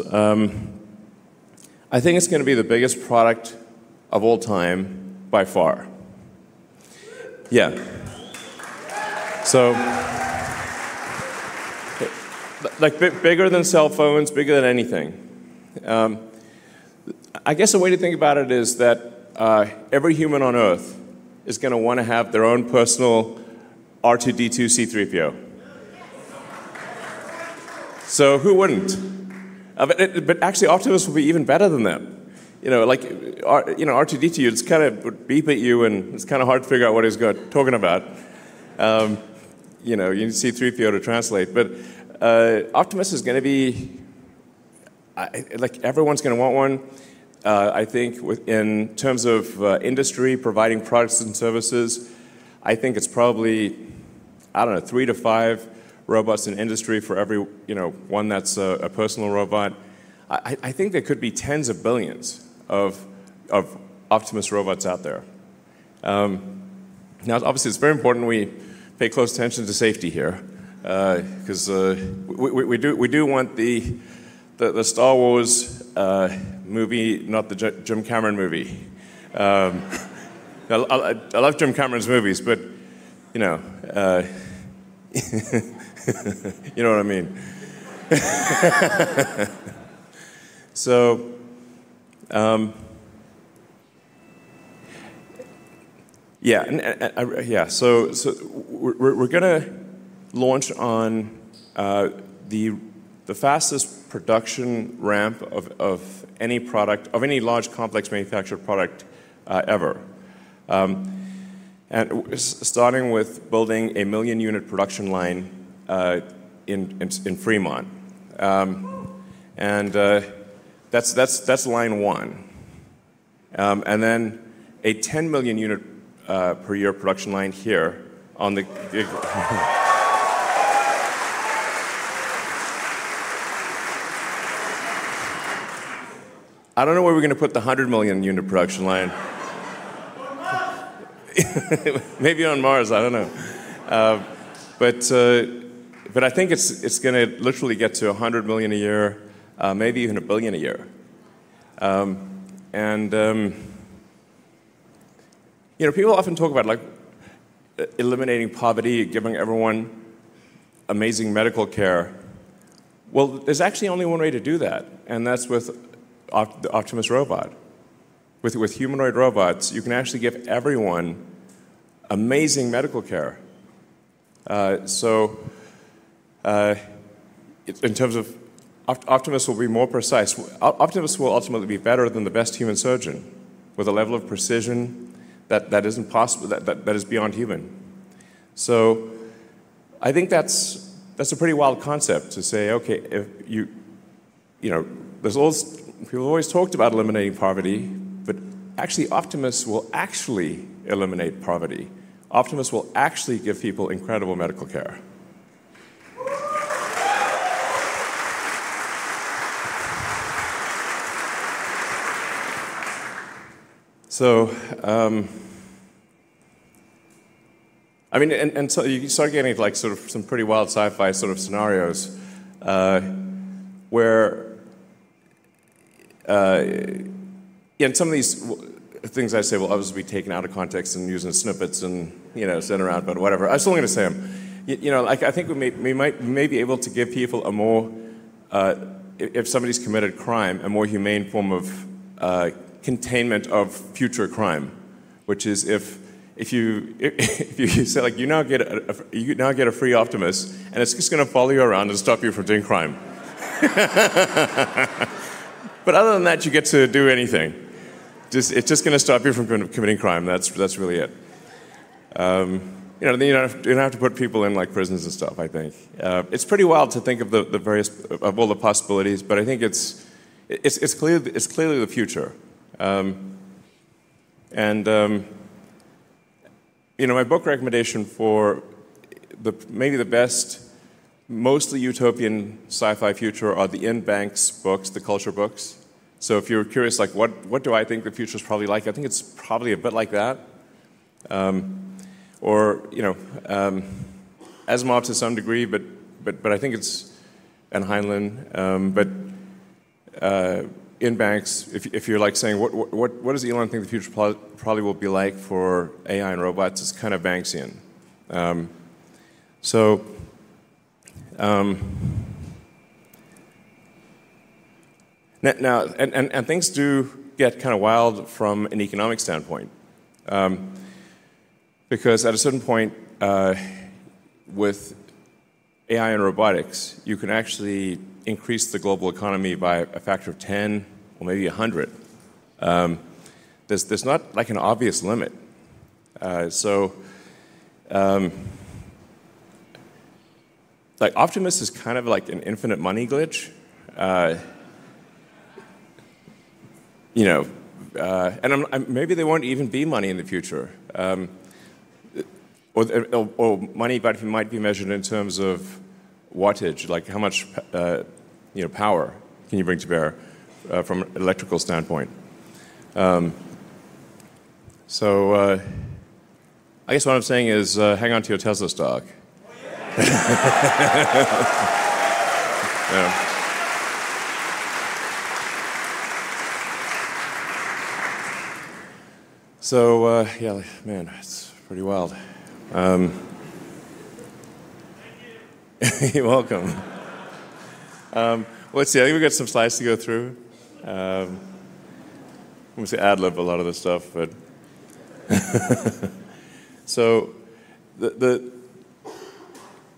I think it's going to be the biggest product of all time by far. Yeah. Like bigger than cell phones, bigger than anything. I guess the way to think about it is that every human on earth is going to want to have their own personal R2D2, C3PO. Who wouldn't? But actually, Optimus will be even better than that. Like R2D2, it kind of beeps at you and it's kind of hard to figure out what he's talking about. You need C3PO to translate. Optimus is going to be, like, everyone's going to want one. I think in terms of industry providing products and services, I think it's probably, I don't know, three to five robots in industry for every one that's a personal robot. I think there could be tens of billions of Optimus robots out there. Now, obviously, it's very important we pay close attention to safety here because we do want the Star Wars movie, not the Jim Cameron movie. I love Jim Cameron's movies, but you know what I mean. We're going to launch on the fastest production ramp of any product, of any large complex manufactured product ever, and starting with building a million unit production line. In Fremont. That's line one. Then a 10 million unit per year production line here on the. I don't know where we're going to put the 100 million unit production line. Maybe on Mars, I don't know. I think it's going to literally get to 100 million a year, maybe even a billion a year. You know, people often talk about like eliminating poverty, giving everyone amazing medical care. There's actually only one way to do that, and that's with the Optimus robot. With humanoid robots, you can actually give everyone amazing medical care. In terms of Optimus, to be more precise, Optimus will ultimately be better than the best human surgeon with a level of precision that is beyond human. I think that's a pretty wild concept to say, okay. There's always talk about eliminating poverty, but actually Optimus will actually eliminate poverty. Optimus will actually give people incredible medical care. I mean, and you start getting like sort of some pretty wild sci-fi sort of scenarios. Some of these things I say will obviously be taken out of context and used in snippets and sent around, but whatever. I was still going to say them. You know, I think we may be able to give people a more, if somebody's committed crime, a more humane form of containment of future crime, which is if you say like you now get a free Optimus and it's just going to follow you around and stop you from doing crime. Other than that, you get to do anything. It's just going to stop you from committing crime. That's really it. You don't have to put people in like prisons and stuff, I think. It's pretty wild to think of the various possibilities, but I think it's clearly the future. My book recommendation for maybe the best, mostly utopian sci-fi future are the Iain Banks books, the Culture books. If you're curious like what do I think the future is probably like, I think it's probably a bit like that. Or Asimov to some degree, and Heinlein. In Banks, if you're like saying what does Elon think the future probably will be like for AI and robots, it's kind of Banksian. Now, things do get kind of wild from an economic standpoint. Because at a certain point, with AI and robotics, you can actually increase the global economy by a factor of 10 or maybe 100. There's not like an obvious limit. Optimus is kind of like an infinite money glitch. Maybe there will not even be money in the future, or money that might be measured in terms of wattage, like how much power you can bring to bear from an electrical standpoint. I guess what I am saying is hang on to your Tesla stock. Yeah, man, it is pretty wild. You are welcome. Let us see, I think we have got some slides to go through. I am going to say ad lib a lot of this stuff.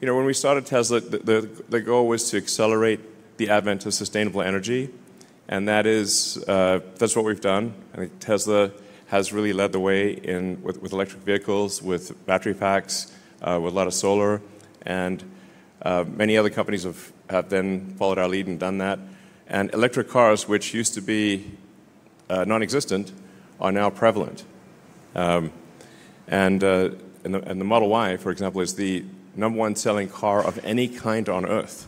When we started Tesla, the goal was to accelerate the advent of sustainable energy. That is what we have done. I think Tesla has really led the way with electric vehicles, with battery packs, with a lot of solar, and many other companies have then followed our lead and done that. Electric cars, which used to be non-existent, are now prevalent. The Model Y, for example, is the number one selling car of any kind on earth.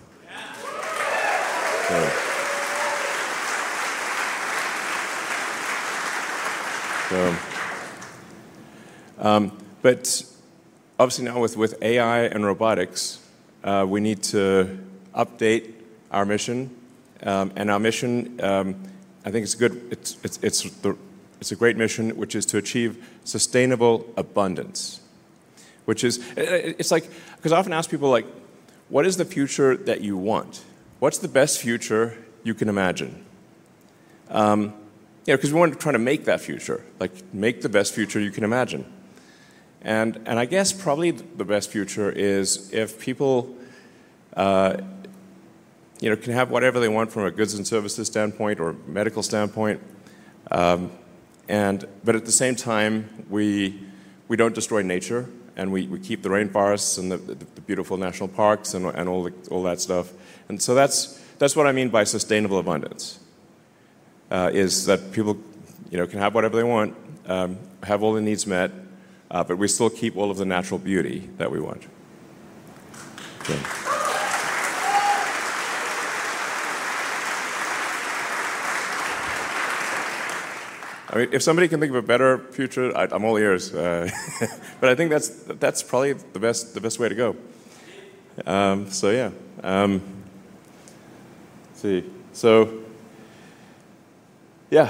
Obviously now with AI and robotics, we need to update our mission. Our mission, I think it's a great mission, which is to achieve sustainable abundance. Which is like, because I often ask people like, what is the future that you want? What's the best future you can imagine? Because we want to try to make that future, like make the best future you can imagine. I guess probably the best future is if people can have whatever they want from a goods and services standpoint or medical standpoint. At the same time, we don't destroy nature and we keep the rainforests and the beautiful national parks and all that stuff. That's what I mean by sustainable abundance. Is that people can have whatever they want, have all their needs met, but we still keep all of the natural beauty that we want. I mean, if somebody can think of a better future, I'm all ears. I think that's probably the best way to go. Yeah. Let's see. Yeah.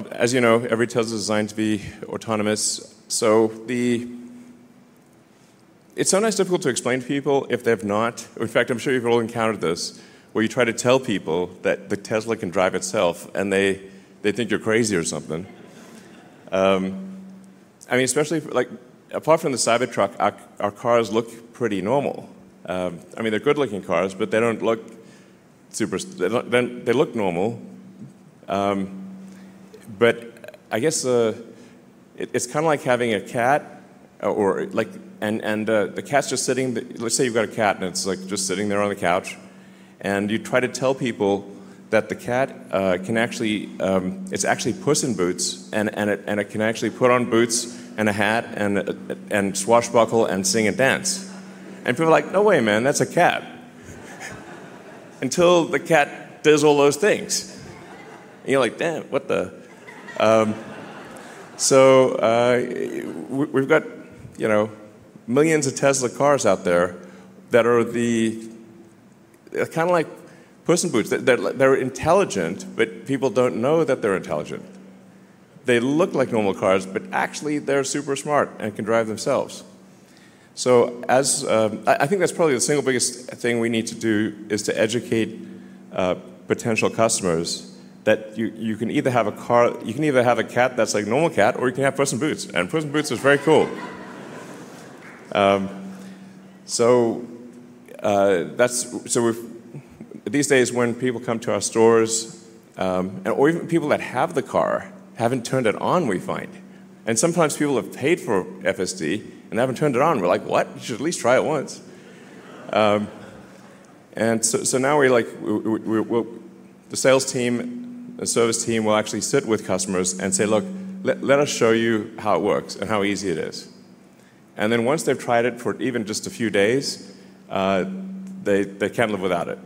As you know, every Tesla is designed to be autonomous. It's sometimes difficult to explain to people if they've not. In fact, I'm sure you've all encountered this, where you try to tell people that the Tesla can drive itself and they think you're crazy or something. I mean, especially apart from the Cybertruck, our cars look pretty normal. I mean, they're good-looking cars, but they don't look super. They look normal. I guess it's kind of like having a cat. And the cat's just sitting. Let's say you've got a cat and it's like just sitting there on the couch. You try to tell people that the cat can actually, it's actually Puss in Boots and it can actually put on boots and a hat and swashbuckle and sing and dance. People are like, no way, man, that's a cat. Until the cat does all those things. You're like, damn, what the. We've got millions of Tesla cars out there that are kind of like Puss in Boots. They're intelligent, but people don't know that they're intelligent. They look like normal cars, but actually they're super smart and can drive themselves. I think that's probably the single biggest thing we need to do is to educate. Potential customers that you can either have a car, you can either have a cat that's like a normal cat or you can have Puss in Boots. And Puss in Boots is very cool. These days when people come to our stores, or even people that have the car haven't turned it on, we find, and sometimes people have paid for FSD and they haven't turned it on. We're like, what? You should at least try it once. Now the sales team and service team will actually sit with customers and say, look, let us show you how it works and how easy it is. Once they've tried it for even just a few days, they can't live without it.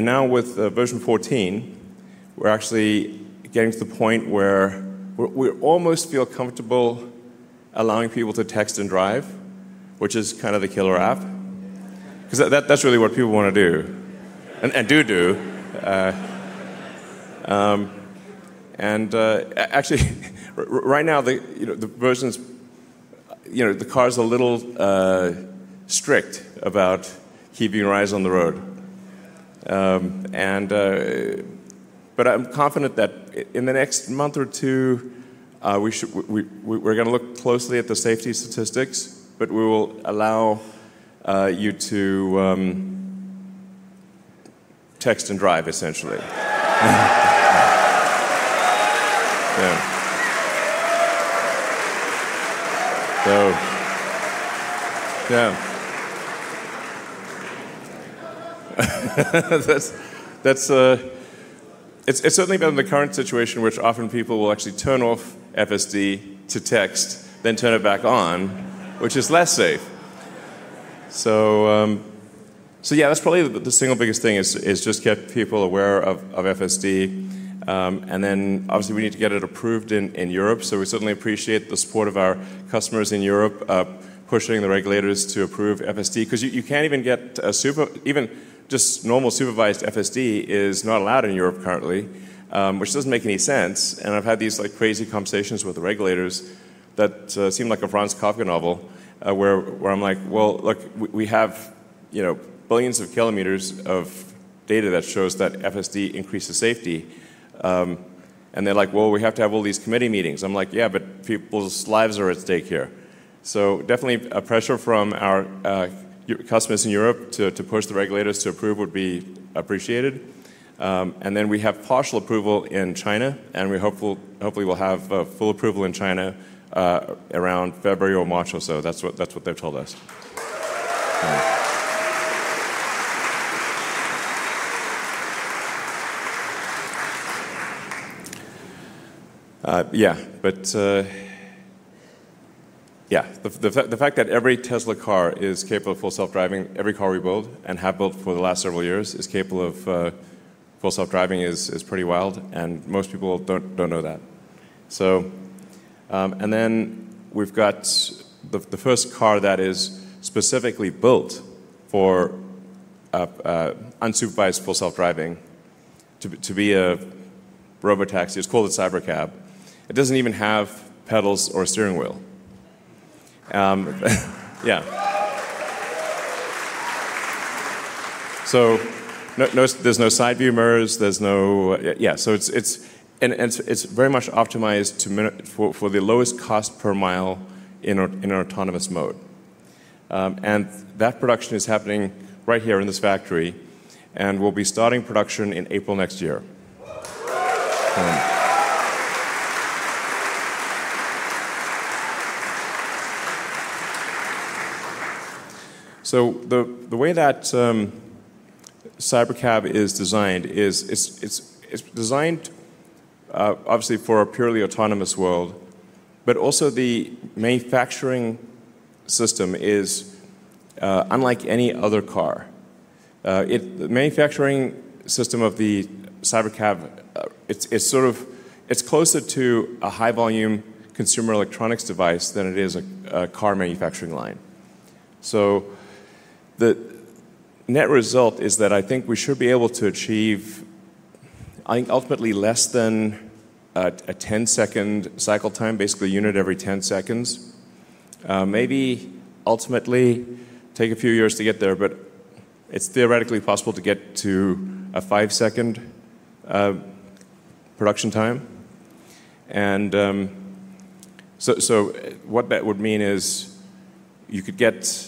Now with version 14, we're actually getting to the point where we almost feel comfortable. Allowing people to text and drive, which is kind of the killer app. Because that's really what people want to do. And do do. Actually, right now the versions, the car is a little strict about keeping your eyes on the road. But I'm confident that in the next month or two, we're going to look closely at the safety statistics, but we will allow you to text and drive, essentially. It's certainly been the current situation, which often people will actually turn off FSD to text, then turn it back on, which is less safe. Yeah, that's probably the single biggest thing is just get people aware of FSD. Obviously, we need to get it approved in Europe. We certainly appreciate the support of our customers in Europe pushing the regulators to approve FSD. Because you can't even get a super, even just normal supervised FSD is not allowed in Europe currently, which doesn't make any sense. I've had these crazy conversations with the regulators that seem like a Franz Kafka novel where I'm like, look, we have billions of kilometers of data that shows that FSD increases safety. They're like, we have to have all these committee meetings. I'm like, yeah, but people's lives are at stake here. Definitely a pressure from our customers in Europe to push the regulators to approve would be appreciated. We have partial approval in China, and we hopefully will have full approval in China around February or March or so. That's what they've told us. Yeah, but. Yeah, the fact that every Tesla car is capable of Full Self-Driving, every car we build and have built for the last several years is capable of Full Self-Driving is pretty wild, and most people do not know that. So. And then we have got the first car that is specifically built for unsupervised Full Self-Driving to be a Robotaxi. It is called a Cybercab. It does not even have pedals or a steering wheel. Yeah. So. There are no side view mirrors. There is no, yeah, so it is very much optimized for the lowest cost per mile in an autonomous mode. That production is happening right here in this factory, and we will be starting production in April next year. The way that Cybercab is designed is designed obviously for a purely autonomous world, but also the manufacturing system is unlike any other car. The manufacturing system of the Cybercab. is sort of, it's closer to a high-volume consumer electronics device than it is a car manufacturing line. The net result is that I think we should be able to achieve ultimately less than a 10-second cycle time, basically a unit every 10 seconds. Maybe ultimately take a few years to get there, but it's theoretically possible to get to a 5-second production time. What that would mean is you could get,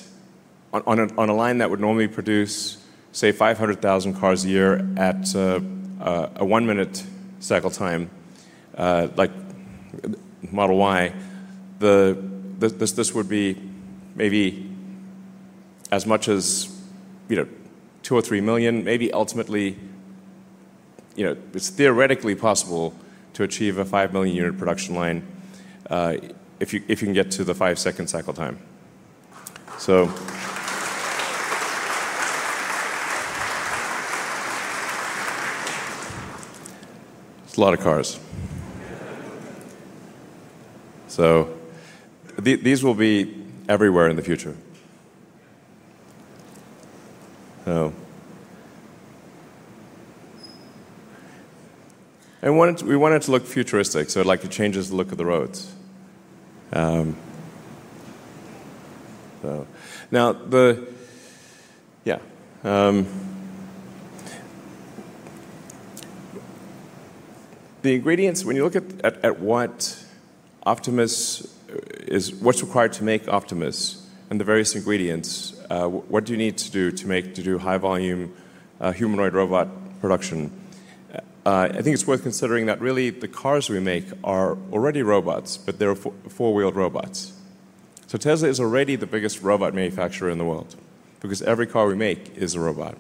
on a line that would normally produce, say, 500,000 cars a year at a one-minute cycle time, like Model Y, this would be maybe as much as two or three million. Maybe ultimately, it's theoretically possible to achieve a 5-million-unit production line if you can get to the 5-second cycle time. It is a lot of cars. These will be everywhere in the future. We wanted to look futuristic, so it changes the look of the roads. Now, yeah, the ingredients, when you look at what Optimus is, what's required to make Optimus and the various ingredients, what do you need to do to make to do high-volume humanoid robot production? I think it's worth considering that really the cars we make are already robots, but they're four-wheeled robots. Tesla is already the biggest robot manufacturer in the world because every car we make is a robot.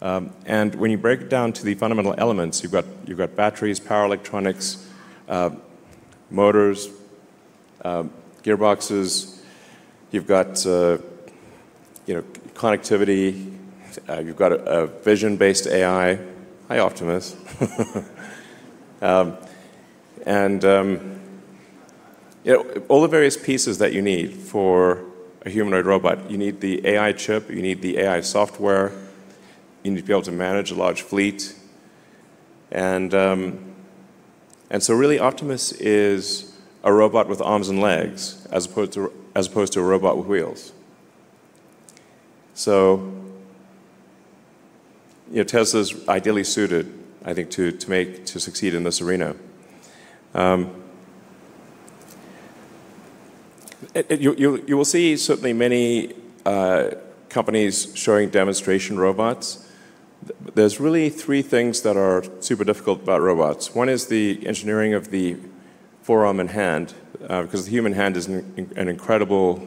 When you break it down to the fundamental elements, you've got batteries, power electronics, motors, gearboxes, you've got connectivity, you've got a vision-based AI, high Optimus, and all the various pieces that you need for a humanoid robot. You need the AI chip, you need the AI software, you need to be able to manage a large fleet. Really, Optimus is a robot with arms and legs as opposed to a robot with wheels. Tesla is ideally suited, I think, to succeed in this arena. You will see certainly many companies showing demonstration robots. There are really three things that are super difficult about robots. One is the engineering of the forearm and hand because the human hand is an incredible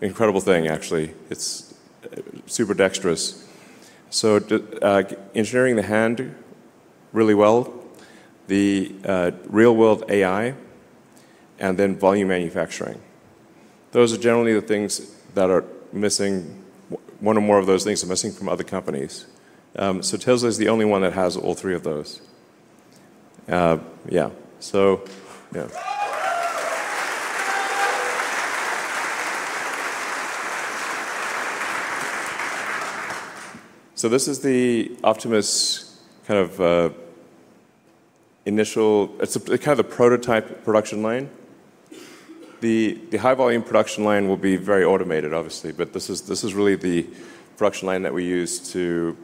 thing, actually. It's super dexterous. Engineering the hand really well, the real-world AI, and then volume manufacturing. Those are generally the things that are missing. One or more of those things are missing from other companies. Tesla is the only one that has all three of those. This is the Optimus kind of initial, it's kind of the prototype production line. The high-volume production line will be very automated, obviously, but this is really the production line that we use to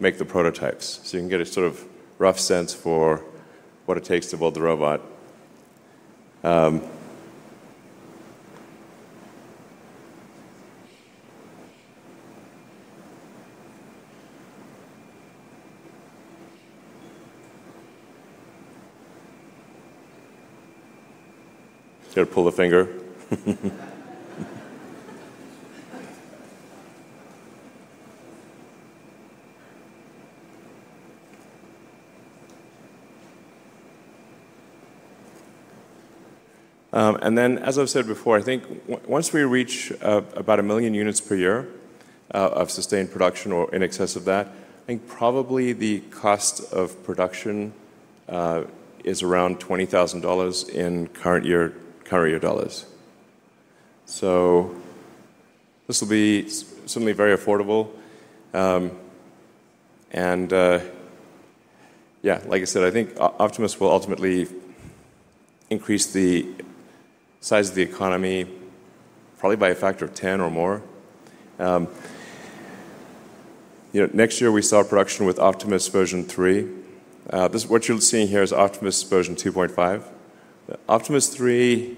make the prototypes. You can get a sort of rough sense for what it takes to build the robot. Just got to pull the finger. As I've said before, I think once we reach about a million units per year of sustained production or in excess of that, I think probably the cost of production is around $20,000 in current-year dollars. This will be certainly very affordable. Yeah, like I said, I think Optimus will ultimately increase the size of the economy probably by a factor of 10 or more. Next year, we saw production with Optimus version 3. What you're seeing here is Optimus version 2.5. Optimus 3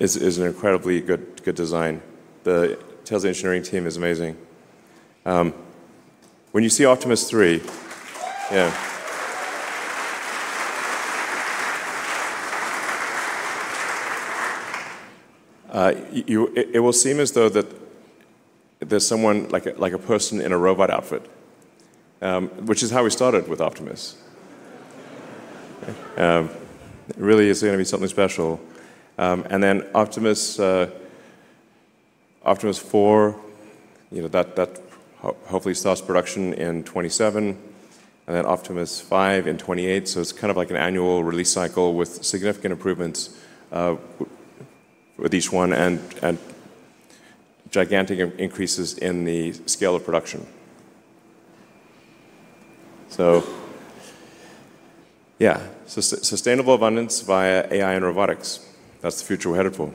is an incredibly good design. The Tesla engineering team is amazing. When you see Optimus 3, it will seem as though that there's someone, like a person in a robot outfit, which is how we started with Optimus. It really is going to be something special. And then Optimus 4, that hopefully starts production in 2027, and then Optimus 5 in 2028. So it's kind of like an annual release cycle with significant improvements with each one and gigantic increases in the scale of production. Yeah, sustainable abundance via AI and robotics. That's the future we're headed for.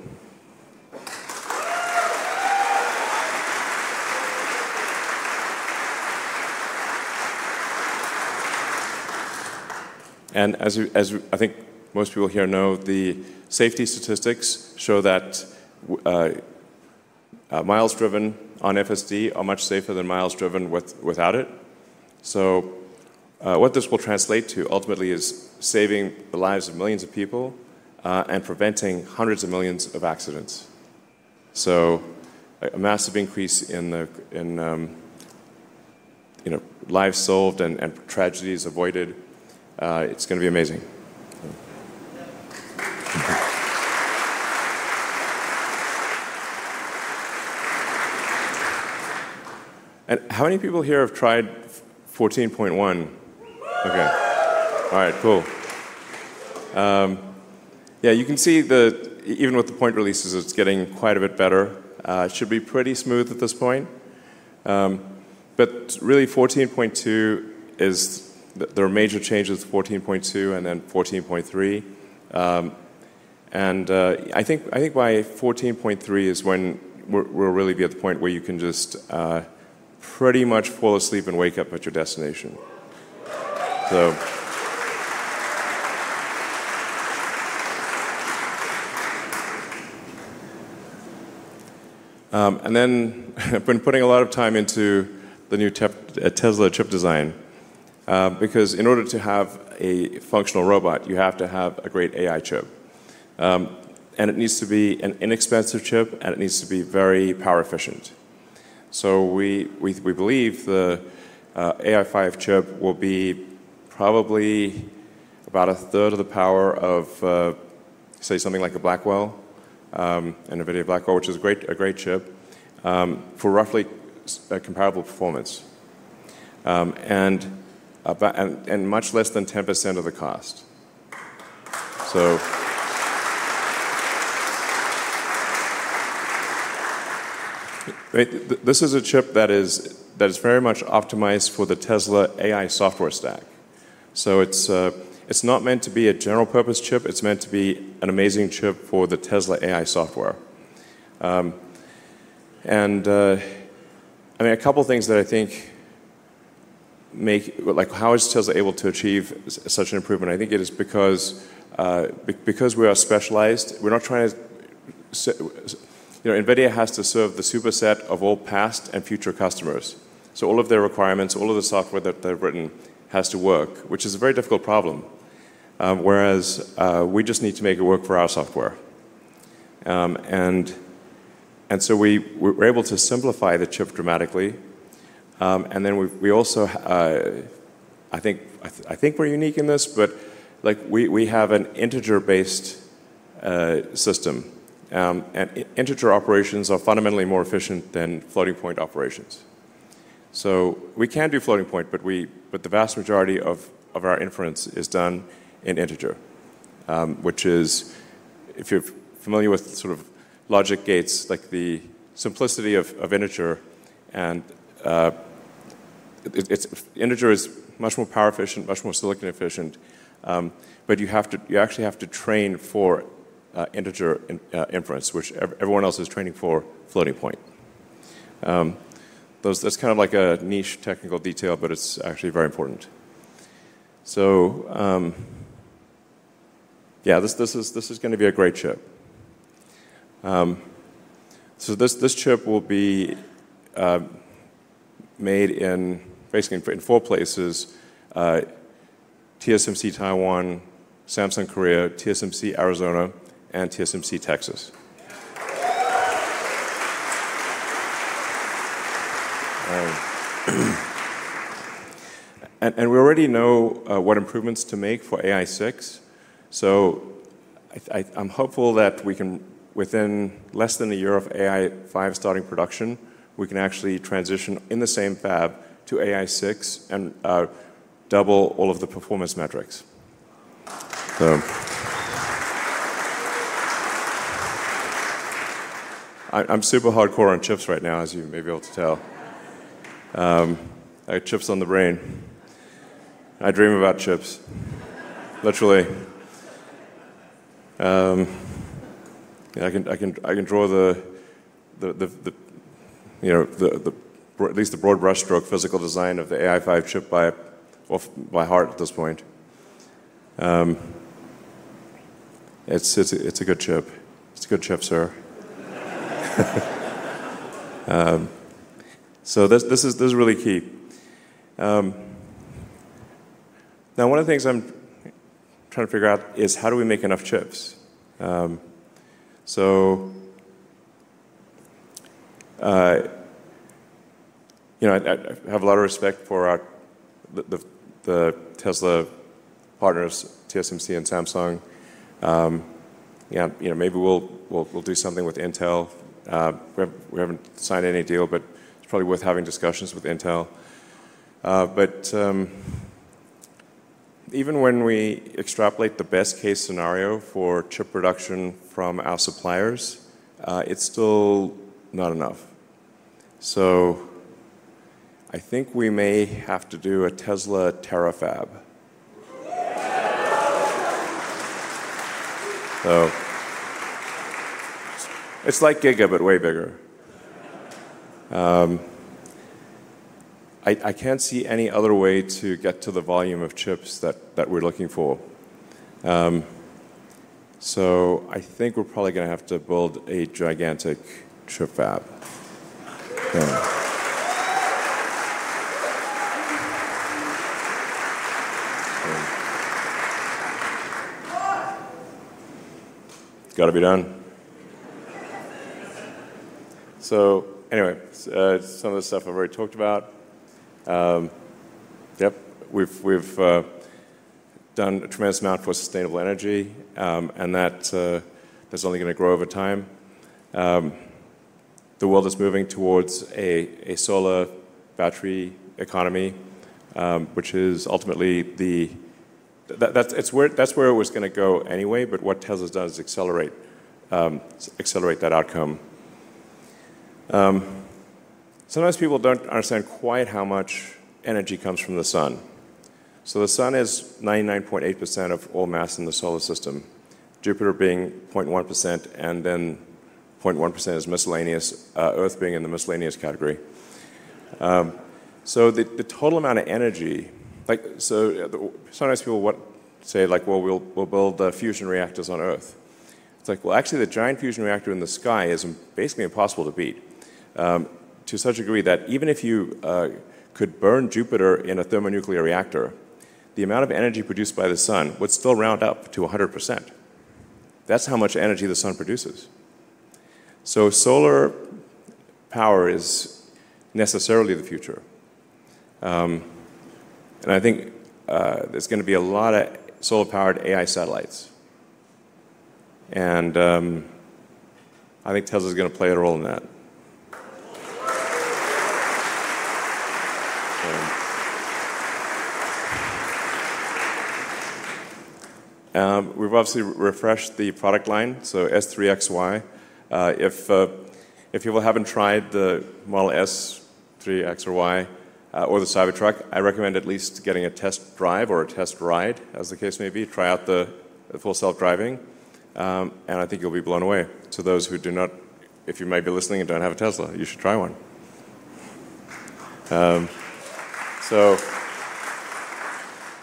As I think most people here know, the safety statistics show that mi driven on FSD are much safer than mi driven without it. What this will translate to ultimately is saving the lives of millions of people and preventing hundreds of millions of accidents. A massive increase in lives solved and tragedies avoided. It's going to be amazing. How many people here have tried 14.1? Okay. All right, cool. You can see that even with the point releases, it's getting quite a bit better. It should be pretty smooth at this point. Really, 14.2 is—there are major changes to 14.2 and then 14.3. I think by 14.3 is when we'll really be at the point where you can just pretty much fall asleep and wake up at your destination. I've been putting a lot of time into the new Tesla chip design because in order to have a functional robot, you have to have a great AI chip. It needs to be an inexpensive chip, and it needs to be very power efficient. We believe the AI5 chip will be probably about a third of the power of, say, something like a Blackwell. An NVIDIA Blackwell, which is a great chip. For roughly comparable performance. Much less than 10% of the cost. This is a chip that is very much optimized for the Tesla AI software stack. It is not meant to be a general-purpose chip. It is meant to be an amazing chip for the Tesla AI software. I mean, a couple of things that I think. Like how is Tesla able to achieve such an improvement? I think it is because we are specialized. We are not trying to. NVIDIA has to serve the superset of all past and future customers. All of their requirements, all of the software that they have written has to work, which is a very difficult problem. We just need to make it work for our software. We are able to simplify the chip dramatically. Then we also, I think we're unique in this, but we have an integer-based system. And integer operations are fundamentally more efficient than floating-point operations. We can do floating-point, but the vast majority of our inference is done in integer, which is, if you're familiar with sort of logic gates, like the simplicity of integer, and integer is much more power efficient, much more silicon efficient. You actually have to train for integer inference, which everyone else is training for floating-point. That's kind of like a niche technical detail, but it's actually very important. Yeah, this is going to be a great chip. This chip will be made in basically in four places: TSMC Taiwan, Samsung Korea, TSMC Arizona, and TSMC Texas. We already know what improvements to make for AI6. I'm hopeful that within less than a year of AI5 starting production, we can actually transition in the same fab to AI6 and double all of the performance metrics. I am super hardcore on chips right now, as you may be able to tell. I got chips on the brain. I dream about chips. Literally. I can draw the, at least the broad brushstroke physical design of the AI5 chip by heart at this point. It's a good chip. It's a good chip, sir. This is really key. Now, one of the things I'm trying to figure out is how do we make enough chips. I have a lot of respect for the Tesla partners, TSMC and Samsung. Maybe we'll do something with Intel. We haven't signed any deal, but it's probably worth having discussions with Intel. Even when we extrapolate the best-case scenario for chip production from our suppliers, it's still not enough. I think we may have to do a Tesla Terrafab. It's like Giga, way bigger. I can't see any other way to get to the volume of chips that we're looking for. I think we're probably going to have to build a gigantic chip fab. Got to be done. Anyway, some of the stuff I've already talked about. We've done a tremendous amount for sustainable energy, and that is only going to grow over time. The world is moving towards a solar battery economy, which is ultimately the—that's where it was going to go anyway, but what Tesla has done is accelerate that outcome. Sometimes people don't understand quite how much energy comes from the sun. The sun is 99.8% of all mass in the solar system, Jupiter being 0.1%, and then 0.1% is miscellaneous, Earth being in the miscellaneous category. The total amount of energy, sometimes people say, "We'll build fusion reactors on Earth." It is like, "Actually, the giant fusion reactor in the sky is basically impossible to beat." To such a degree that even if you could burn Jupiter in a thermonuclear reactor, the amount of energy produced by the sun would still round up to 100%. That is how much energy the sun produces. Solar power is necessarily the future. I think there is going to be a lot of solar-powered AI satellites. I think Tesla is going to play a role in that. We have obviously refreshed the product line, so S3XY. If people who haven't tried the Model S3XY or the Cybertruck, I recommend at least getting a test drive or a test ride, as the case may be, try out the Full Self-Driving. I think you'll be blown away. To those who do not, if you might be listening and don't have a Tesla, you should try one.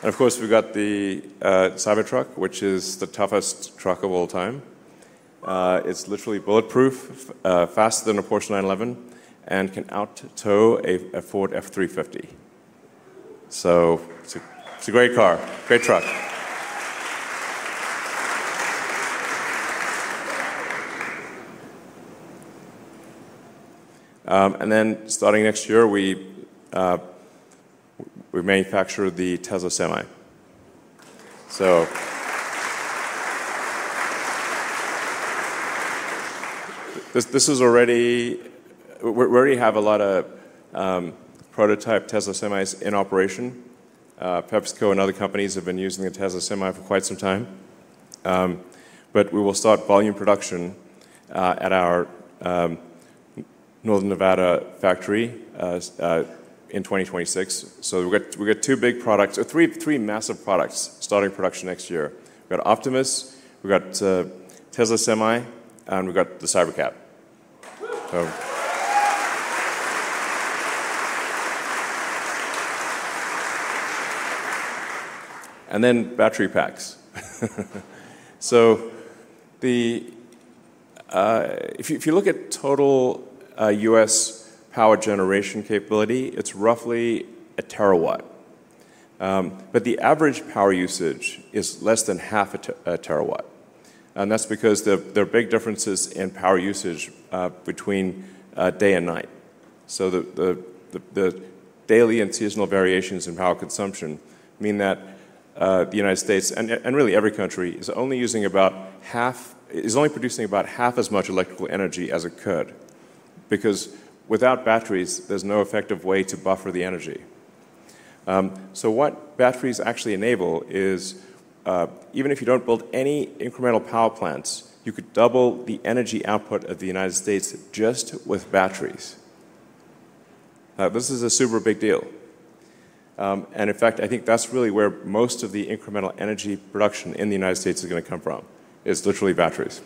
Of course, we've got the Cybertruck, which is the toughest truck of all time. It's literally bulletproof, faster than a Porsche 911, and can out-tow a Ford F-350. It's a great car, great truck. Starting next year, we manufacture the Tesla Semi. This is already—we already have a lot of prototype Tesla Semis in operation. PepsiCo and other companies have been using the Tesla Semi for quite some time. We will start volume production at our Northern Nevada factory in 2026. We've got two big products, three massive products starting production next year. We've got Optimus, we've got Tesla Semi, and we've got the Cybercab. And then battery packs. If you look at total U.S. power generation capability, it's roughly 1 TW. The average power usage is less than [0.5 TW]. That's because there are big differences in power usage between day and night. The daily and seasonal variations in power consumption mean that the United States, and really every country, is only using about half, is only producing about half as much electrical energy as it could. Without batteries, there's no effective way to buffer the energy. What batteries actually enable is, even if you don't build any incremental power plants, you could double the energy output of the United States just with batteries. This is a super big deal. In fact, I think that's really where most of the incremental energy production in the United States is going to come from, is literally batteries.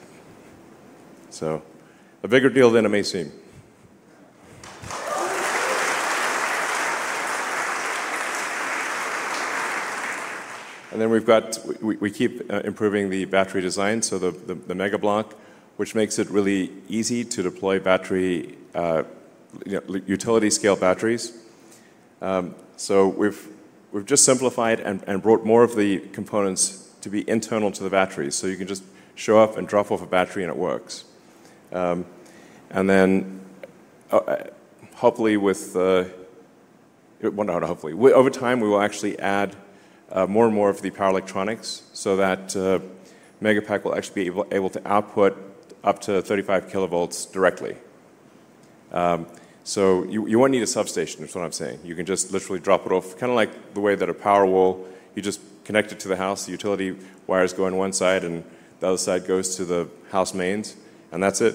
It is a bigger deal than it may seem. We keep improving the battery design, so the [Megapack], which makes it really easy to deploy battery utility-scale batteries. We have just simplified and brought more of the components to be internal to the batteries. You can just show up and drop off a battery, and it works. Hopefully, over time, we will actually add more and more of the power electronics so that Megapack will actually be able to output up to 35 kV directly. You will not need a substation, is what I am saying. You can just literally drop it off, kind of like the way that a Powerwall, you just connect it to the house, the utility wires go on one side and the other side goes to the house mains, and that's it.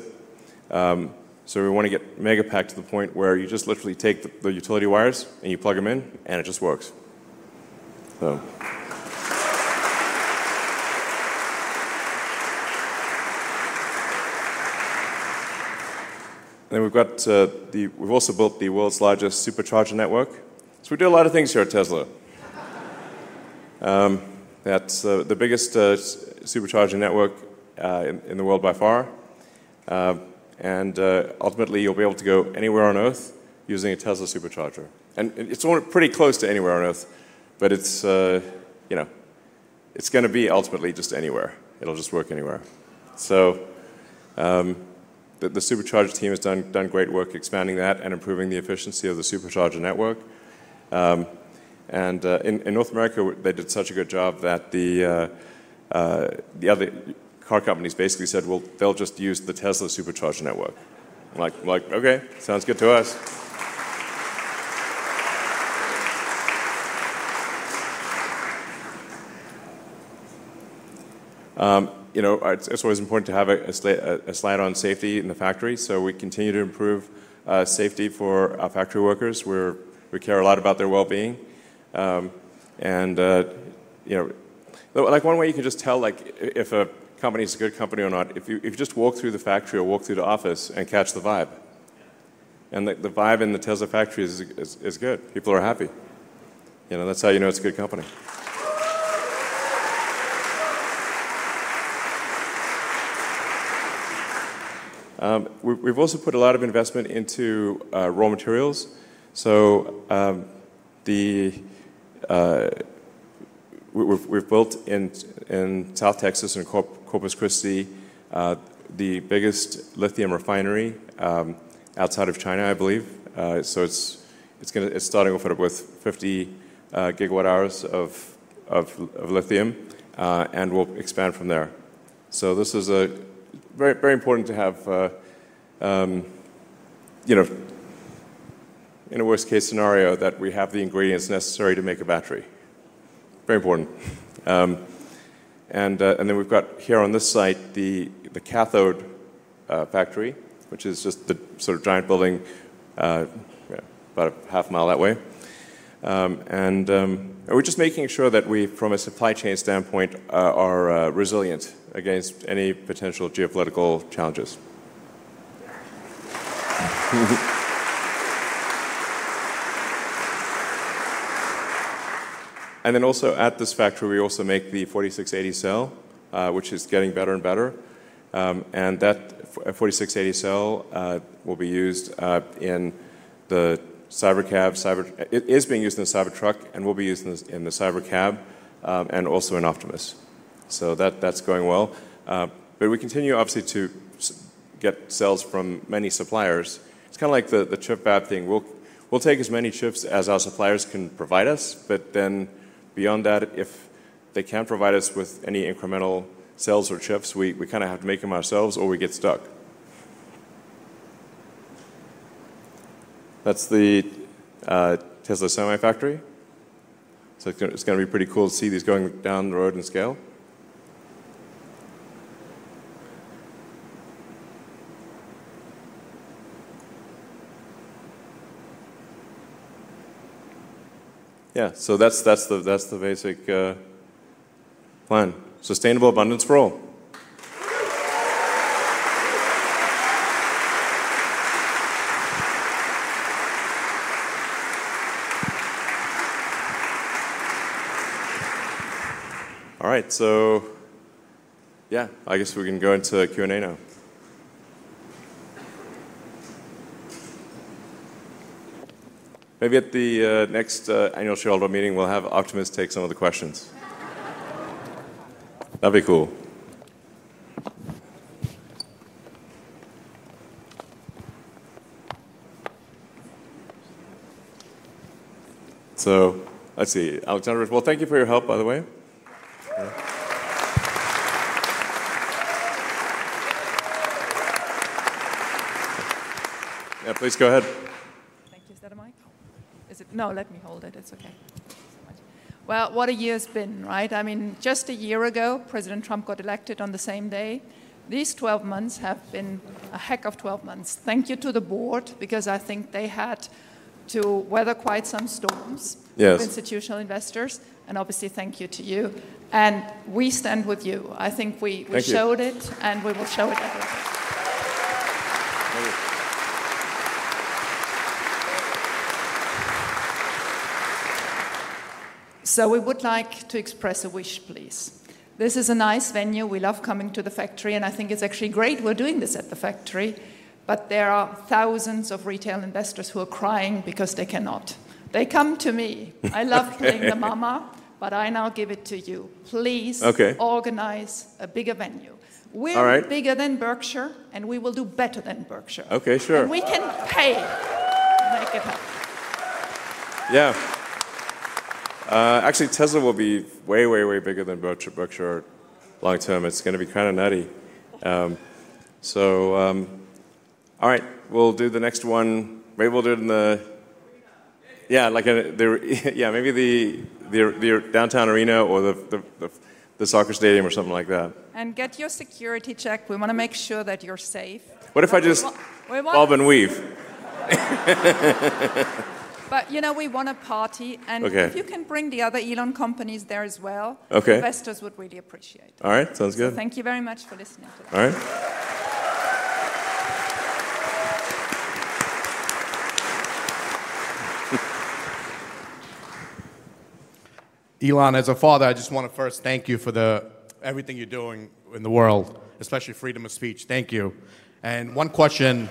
We want to get Megapack to the point where you just literally take the utility wires and you plug them in, and it just works. We've also built the world's largest Supercharger network. We do a lot of things here at Tesla. That's the biggest supercharging network in the world by far. Ultimately, you'll be able to go anywhere on Earth using a Tesla Supercharger. It's pretty close to anywhere on Earth, but it's going to be ultimately just anywhere. It'll just work anywhere. The Supercharger team has done great work expanding that and improving the efficiency of the Supercharger network. In North America, they did such a good job that the other car companies basically said, "Well, they'll just use the Tesla Supercharger network." I'm like, "Okay, sounds good to us." It is always important to have a slide on safety in the factory. We continue to improve safety for our factory workers. We care a lot about their well-being. One way you can just tell if a company is a good company or not, if you just walk through the factory or walk through the office and catch the vibe. The vibe in the Tesla factory is good. People are happy. That's how you know it's a good company. We've also put a lot of investment into raw materials. We've built in South Texas and Corpus Christi. The biggest lithium refinery outside of China, I believe. It is starting off with 50 GW hours of lithium, and we will expand from there. This is very important to have in a worst-case scenario, that we have the ingredients necessary to make a battery. Very important. We have here on this site the cathode factory, which is just the sort of giant building about a half mile that way. We are just making sure that we, from a supply chain standpoint, are resilient against any potential geopolitical challenges. Also at this factory, we make the 4680 cell, which is getting better and better. That 4680 cell will be used in the Cybercab. It is being used in the Cybertruck and will be used in the Cybercab and also in Optimus. That is going well. We continue obviously to get cells from many suppliers. It's kind of like the chip fab thing. We'll take as many chips as our suppliers can provide us, but then beyond that, if they can't provide us with any incremental cells or chips, we kind of have to make them ourselves or we get stuck. That's the Tesla Semi factory. It's going to be pretty cool to see these going down the road in scale. Yeah, that's the basic plan. Sustainable abundance for all. All right, I guess we can go into Q&A now. Maybe at the next annual Shareholder Meeting, we'll have Optimus take some of the questions. That'd be cool. Let's see. Thank you for your help, by the way. Please go ahead. Thank you. Is that a mic? Is it? No, let me hold it. It's okay. Thank you so much. What a year it's been, right? I mean, just a year ago, President Trump got elected on the same day. These 12 months have been a heck of 12 months. Thank you to the board because I think they had to weather quite some storms with institutional investors. Obviously, thank you to you. We stand with you. I think we showed it, and we will show it everywhere. We would like to express a wish, please. This is a nice venue. We love coming to the factory, and I think it's actually great we're doing this at the factory, but there are thousands of retail investors who are crying because they cannot. They come to me. I love playing the mama, but I now give it to you. Please organize a bigger venue. We're bigger than Berkshire, and we will do better than Berkshire. Okay, sure. We can pay. Make it happen. Yeah. Actually, Tesla will be way, way, way bigger than Berkshire long term. It's going to be kind of nutty. All right, we'll do the next one. Maybe we'll do it in the, yeah, like the, yeah, maybe the downtown arena or the soccer stadium or something like that. Get your security check. We want to make sure that you're safe. What if I just. We want. Bob and weave. You know, we want to party, and if you can bring the other Elon companies there as well, investors would really appreciate it. All right, sounds good. Thank you very much for listening to this. All right. Elon, as a father, I just want to first thank you for everything you're doing in the world, especially freedom of speech. Thank you. One question.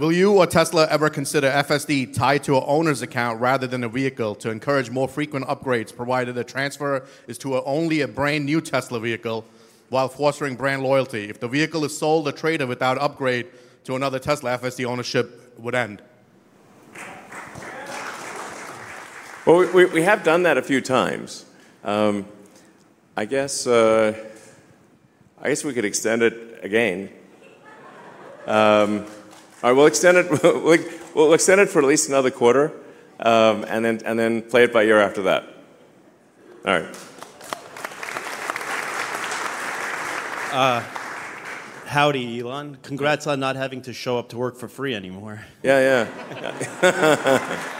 Will you or Tesla ever consider FSD tied to an owner's account rather than a vehicle to encourage more frequent upgrades, provided the transfer is to only a brand new Tesla vehicle while fostering brand loyalty? If the vehicle is sold, the trader without upgrade to another Tesla FSD ownership would end. We have done that a few times, I guess. We could extend it again. All right, we'll extend it for at least another quarter and then play it by ear after that. All right. Howdy, Elon. Congrats on not having to show up to work for free anymore. Yeah, yeah.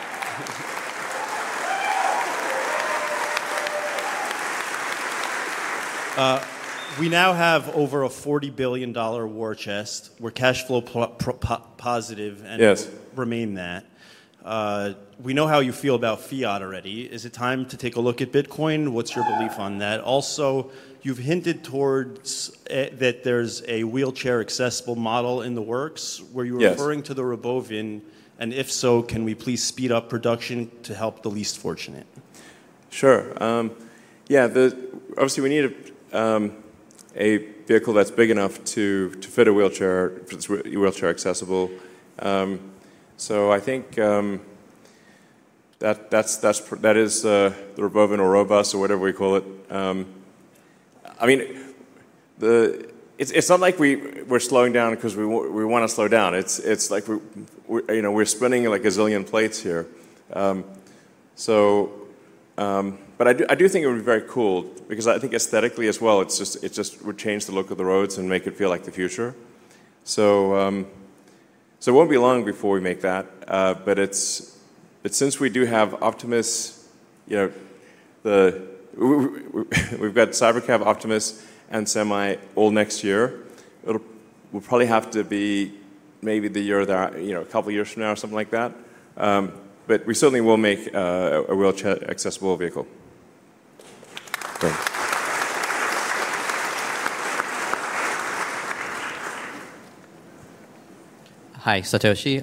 We now have over a $40 billion war chest. We're cash flow positive and remain that. We know how you feel about fiat already. Is it time to take a look at Bitcoin? What's your belief on that? Also, you've hinted towards that there's a wheelchair-accessible model in the works. Were you referring to the Robovan? And if so, can we please speed up production to help the least fortunate? Sure. Yeah, obviously we need a vehicle that's big enough to fit a wheelchair accessible. So I think that is the Robovan or Robus or whatever we call it. I mean, it's not like we're slowing down because we want to slow down. It's like we're spinning like a zillion plates here. I do think it would be very cool because I think aesthetically as well, it just would change the look of the roads and make it feel like the future. It won't be long before we make that. Since we do have Optimus. We've got Cybercab, Optimus, and Semi all next year. We'll probably have to be maybe the year or a couple of years from now or something like that. We certainly will make a wheelchair-accessible vehicle. Hi, Satoshi.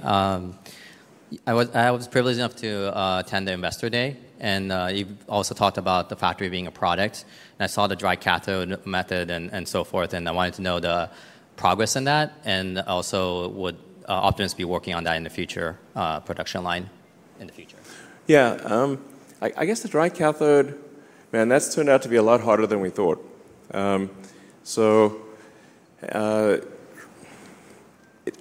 I was privileged enough to attend the Investor Day, and you also talked about the factory being a product. I saw the dry cathode method and so forth, and I wanted to know the progress on that. Also, would Optimus be working on that in the future production line in the future? Yeah, I guess the dry cathode, man, that's turned out to be a lot harder than we thought. I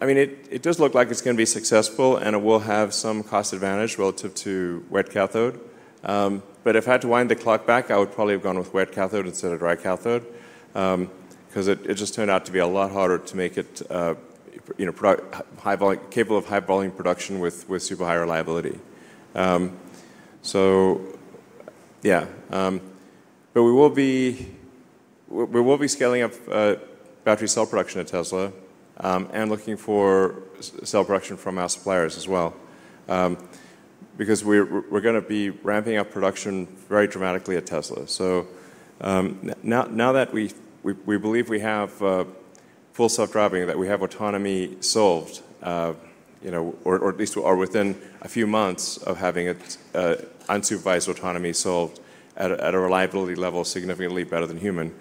mean, it does look like it's going to be successful, and it will have some cost advantage relative to wet cathode. If I had to wind the clock back, I would probably have gone with wet cathode instead of dry cathode, because it just turned out to be a lot harder to make it capable of high-volume production with super high reliability. Yeah. We will be scaling up battery cell production at Tesla and looking for cell production from our suppliers as well, because we're going to be ramping up production very dramatically at Tesla. Now that we believe we have Full Self-Driving, that we have autonomy solved. At least are within a few months of having unsupervised autonomy solved at a reliability level significantly better than human.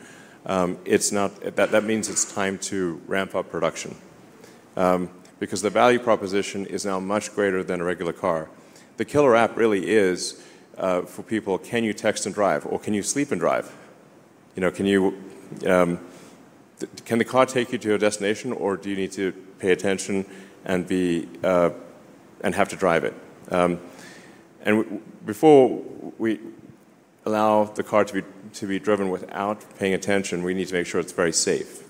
That means it's time to ramp up production because the value proposition is now much greater than a regular car. The killer app really is, for people, can you text and drive? Or can you sleep and drive? Can the car take you to your destination, or do you need to pay attention and have to drive it? Before we allow the car to be driven without paying attention, we need to make sure it's very safe.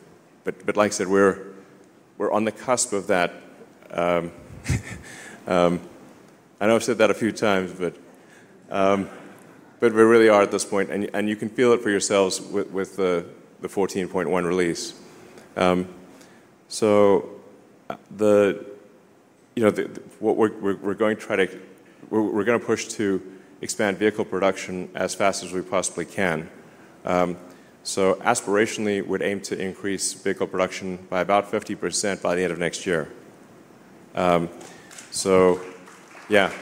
Like I said, we're on the cusp of that. I know I've said that a few times, but we really are at this point. You can feel it for yourselves with the 14.1 release. We're going to try to. We're going to push to expand vehicle production as fast as we possibly can. Aspirationally, we'd aim to increase vehicle production by about 50% by the end of next year. Yeah.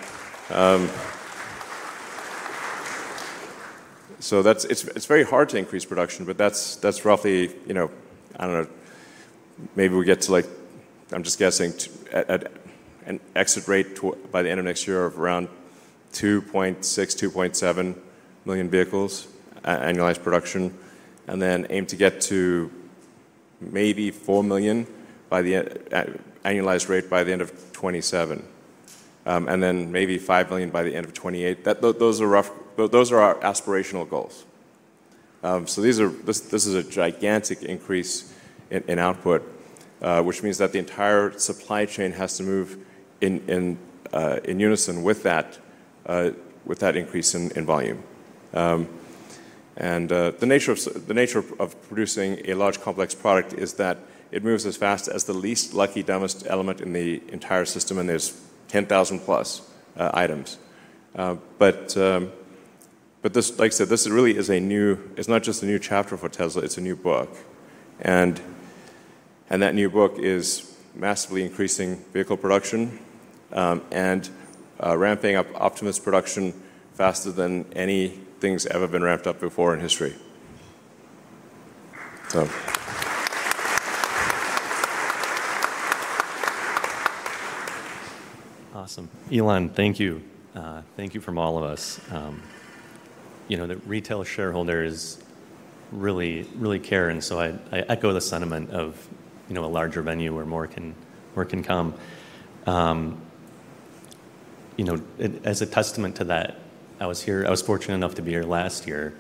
It's very hard to increase production, but that's roughly, I don't know, maybe we get to, I'm just guessing, an exit rate by the end of next year of around 2.6 milion-2.7 million vehicles annualized production. Then aim to get to maybe 4 million by the annualized rate by the end of 2027. Then maybe 5 million by the end of 2028. Those are our aspirational goals. This is a gigantic increase in output, which means that the entire supply chain has to move in unison with that increase in volume. The nature of producing a large complex product is that it moves as fast as the least lucky dumbest element in the entire system, and there are 10,000+ items. Like I said, this really is a new, it is not just a new chapter for Tesla, it is a new book. That new book is massively increasing vehicle production and ramping up Optimus production faster than anything has ever been ramped up before in history. Awesome. Elon, thank you. Thank you from all of us. The retail shareholders really care, and I echo the sentiment of a larger venue where more can come. As a testament to that, I was fortunate enough to be here last year.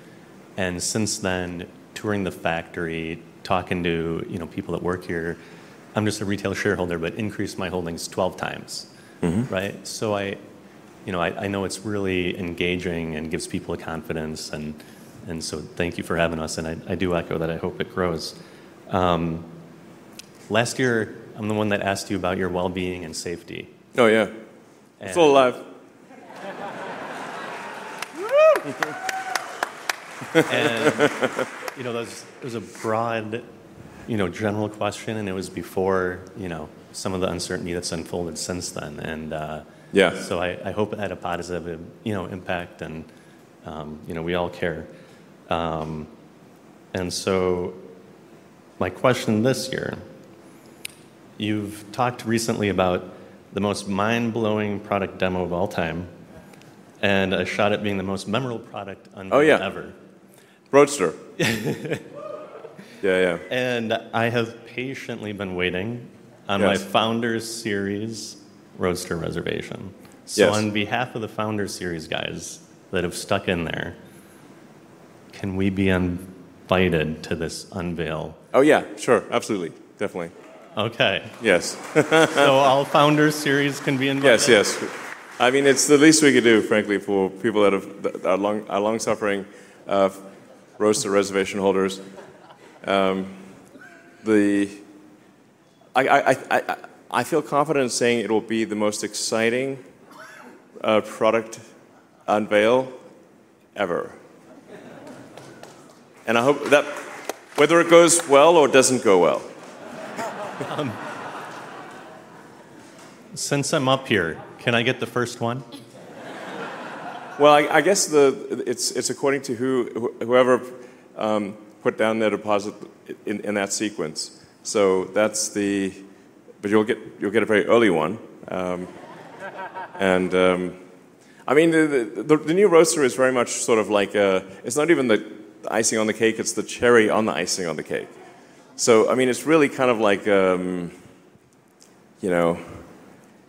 Since then, touring the factory, talking to people that work here, I'm just a retail shareholder, but increased my holdings 12x, right? I know it's really engaging and gives people confidence. Thank you for having us, and I do echo that. I hope it grows. Last year, I'm the one that asked you about your well-being and safety. Oh, yeah. Full of love. It was a broad, general question, and it was before some of the uncertainty that's unfolded since then. I hope it had a positive impact, and we all care. My question this year: you've talked recently about the most mind-blowing product demo of all time, and I shot it being the most memorable product ever. Oh, yeah. Roadster. Yeah, yeah. I have patiently been waiting on my founder series Roadster reservation. On behalf of the founder series guys that have stuck in there, can we be invited to this unveil? Oh, yeah. Sure. Absolutely. Definitely. Okay. Yes. All founder series can be invited? Yes, yes. I mean, it's the least we could do, frankly, for people that are long-suffering Roadster reservation holders. I feel confident in saying it will be the most exciting product unveil ever. I hope that whether it goes well or doesn't go well. Since I'm up here, can I get the first one? I guess it's according to whoever put down their deposit in that sequence. You will get a very early one. The new Roadster is very much sort of like a, it's not even the icing on the cake, it's the cherry on the icing on the cake. It's really kind of like,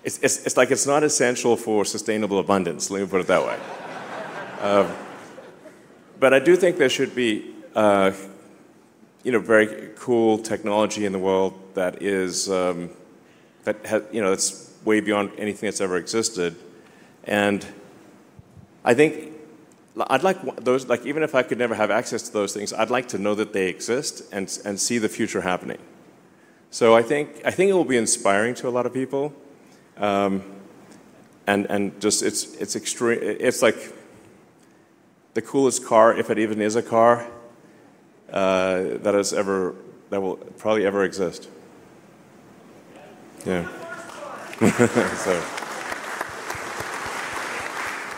it's not essential for sustainable abundance, let me put it that way. I do think there should be very cool technology in the world that is way beyond anything that's ever existed. I think I'd like those, like even if I could never have access to those things, I'd like to know that they exist and see the future happening. I think it will be inspiring to a lot of people. It's like the coolest car, if it even is a car. That will probably ever exist. Yeah.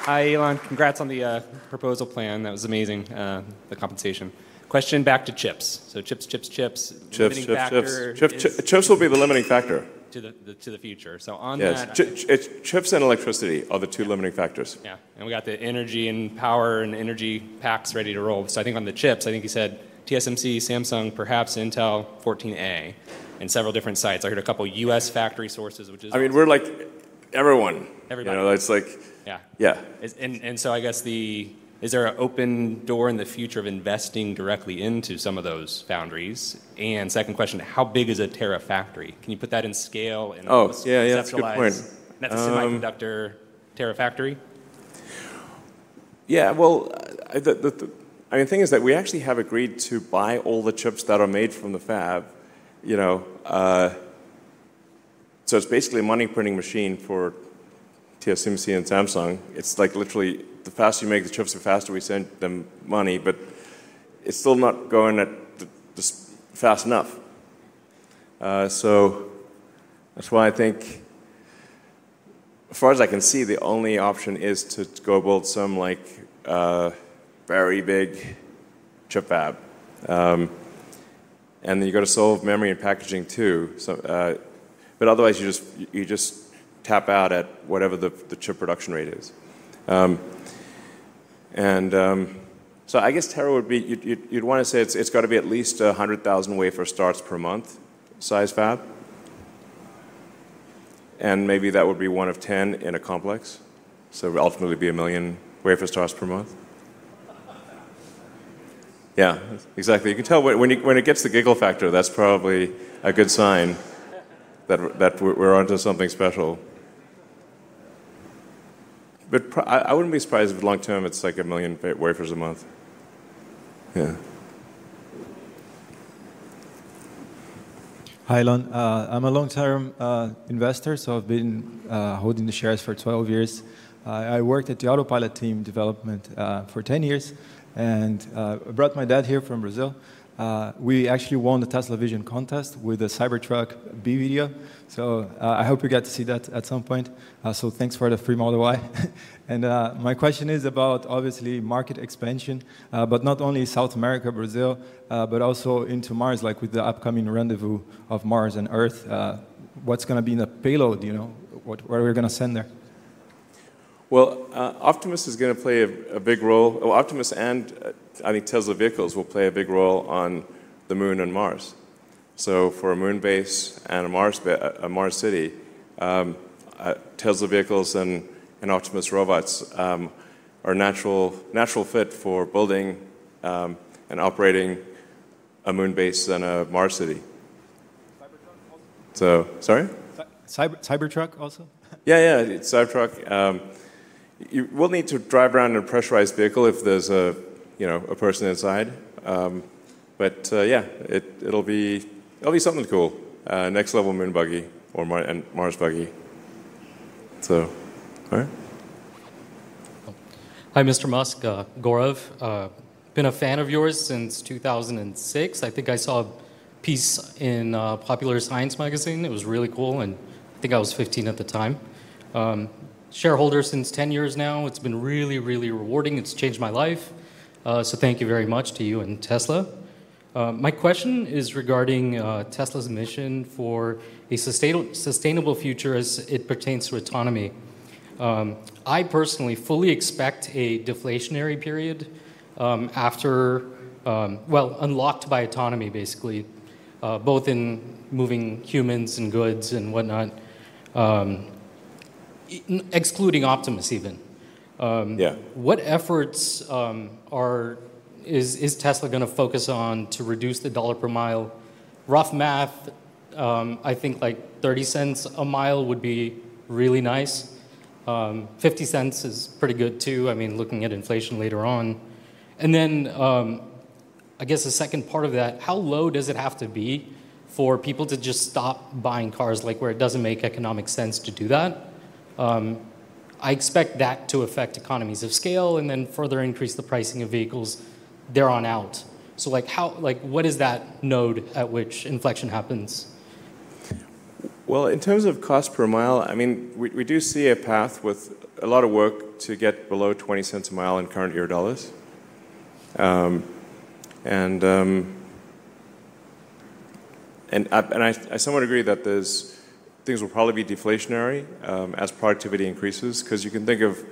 Hi, Elon. Congrats on the proposal plan. That was amazing, the compensation. Question back to chips. So chips, chips, chips. Chips, chips will be the limiting factor. To the future. On that. Chips and electricity are the two limiting factors. Yeah. We got the energy and power and energy packs ready to roll. I think on the chips, you said TSMC, Samsung, perhaps Intel 14A in several different sites. I heard a couple of U.S. factory sources, which is. I mean, we're like everyone. Everybody. It's like, yeah. I guess the, is there an open door in the future of investing directly into some of those foundries? Second question, how big is a terafactory? Can you put that in scale? Oh, yeah, that's a good point. That's a semiconductor terafactory? Yeah, I mean, the thing is that we actually have agreed to buy all the chips that are made from the fab. It's basically a money printing machine for TSMC and Samsung. It's like literally the faster you make the chips, the faster we send them money, but it's still not going fast enough. That's why I think as far as I can see, the only option is to go build some very big chip fab. Then you've got to solve memory and packaging too. Otherwise, you just tap out at whatever the chip production rate is. I guess terra would be, you'd want to say it's got to be at least a 100,000 wafer starts per month size fab, and maybe that would be one of 10 in a complex. It would ultimately be 1 million wafer starts per month. Yeah, exactly. You can tell when it gets to the giggle factor, that's probably a good sign. That we're onto something special. I wouldn't be surprised if long-term it's like 1 million wafers a month. Yeah. Hi, Elon. I'm a long-term investor, so I've been holding the shares for 12 years. I worked at the Autopilot team development for 10 years and brought my dad here from Brazil. We actually won the TeslaVision contest with a Cybertruck B video. I hope you get to see that at some point. Thanks for the free Model Y. My question is about obviously market expansion, but not only South America, Brazil, but also into Mars, like with the upcoming rendezvous of Mars and Earth. What's going to be in the payload? What are we going to send there? Optimus is going to play a big role. Optimus and, I think, Tesla vehicles will play a big role on the moon and Mars. For a moon base and a Mars city, Tesla vehicles and Optimus robots are a natural fit for building and operating a moon base and a Mars city. Sorry? Cybertruck also? Yeah, yeah. Cybertruck. You will need to drive around in a pressurized vehicle if there's a person inside. Yeah, it'll be something cool. Next level moon buggy or Mars buggy. All right. Hi, Mr. Musk Gorev. Been a fan of yours since 2006. I think I saw a piece in Popular Science Magazine. It was really cool, and I think I was 15 at the time. Shareholder since 10 years now. It's been really, really rewarding. It's changed my life. So thank you very much to you and Tesla. My question is regarding Tesla's mission for a sustainable future as it pertains to autonomy. I personally fully expect a deflationary period. After. Well, unlocked by autonomy basically, both in moving humans and goods and whatnot. Excluding Optimus even. What efforts. Is Tesla going to focus on to reduce the dollar per mile? Rough math. I think like $0.30 a mile would be really nice. $0.50 is pretty good too, I mean, looking at inflation later on. And then, I guess the second part of that, how low does it have to be for people to just stop buying cars, like where it doesn't make economic sense to do that? I expect that to affect economies of scale and then further increase the pricing of vehicles there on out. What is that node at which inflection happens? In terms of cost per mile, I mean, we do see a path with a lot of work to get below $0.20 a mile in current year dollars. I somewhat agree that things will probably be deflationary as productivity increases. Because you can think of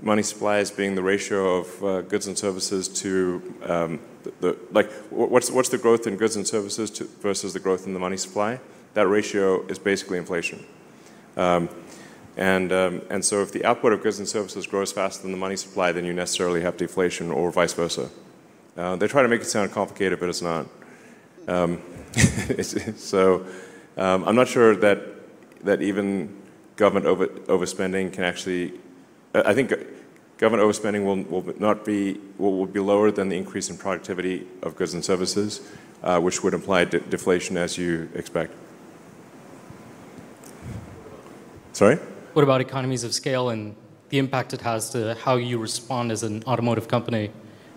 money supply as being the ratio of goods and services to what's the growth in goods and services versus the growth in the money supply. That ratio is basically inflation. If the output of goods and services grows faster than the money supply, then you necessarily have deflation or vice versa. They try to make it sound complicated, but it's not. I'm not sure that even government overspending can actually, I think government overspending will not be, will be lower than the increase in productivity of goods and services, which would imply deflation as you expect. Sorry? What about economies of scale and the impact it has to how you respond as an automotive company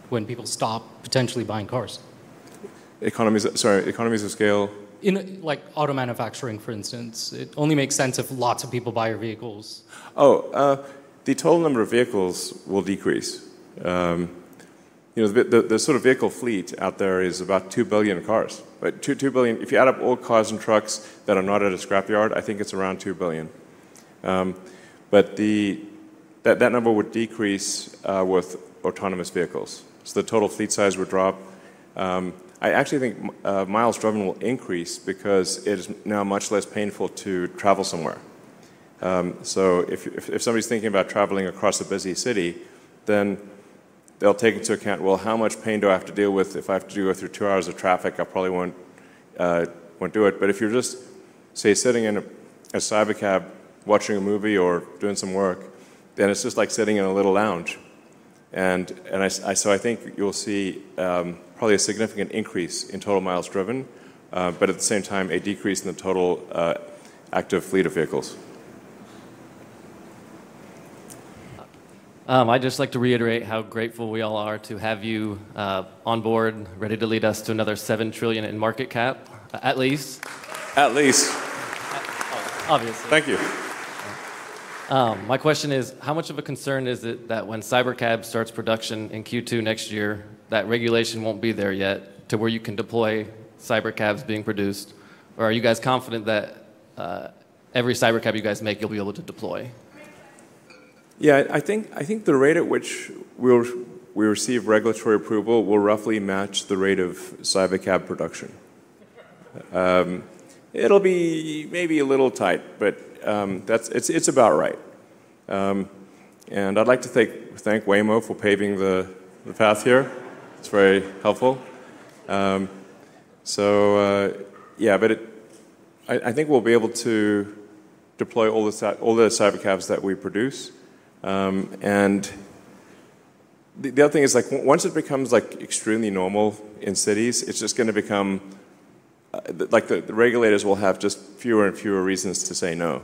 when people stop potentially buying cars? Economies, sorry, economies of scale? Like auto manufacturing, for instance. It only makes sense if lots of people buy your vehicles. Oh, the total number of vehicles will decrease. The sort of vehicle fleet out there is about 2 billion cars. If you add up all cars and trucks that are not at a scrap yard, I think it's around 2 billion. That number would decrease with autonomous vehicles. The total fleet size would drop. I actually think mi driven will increase because it is now much less painful to travel somewhere. If somebody's thinking about traveling across a busy city, they will take into account, how much pain do I have to deal with if I have to go through two hours of traffic? I probably won't do it. If you're just, say, sitting in a Cybercab watching a movie or doing some work, then it's just like sitting in a little lounge. I think you'll see probably a significant increase in total miles driven, but at the same time, a decrease in the total active fleet of vehicles. I'd just like to reiterate how grateful we all are to have you on board, ready to lead us to another $7 trillion in market cap, at least. At least. Obviously. Thank you. My question is, how much of a concern is it that when Cybercab starts production in Q2 next year, that regulation won't be there yet to where you can deploy Cybercabs being produced? Or are you guys confident that every Cybercab you guys make, you'll be able to deploy? Yeah, I think the rate at which we'll receive regulatory approval will roughly match the rate of Cybercab production. It'll be maybe a little tight, but it's about right. I'd like to thank Waymo for paving the path here. It's very helpful. Yeah, I think we'll be able to deploy all the Cybercabs that we produce. The other thing is like once it becomes like extremely normal in cities, it's just going to become like the regulators will have just fewer and fewer reasons to say no.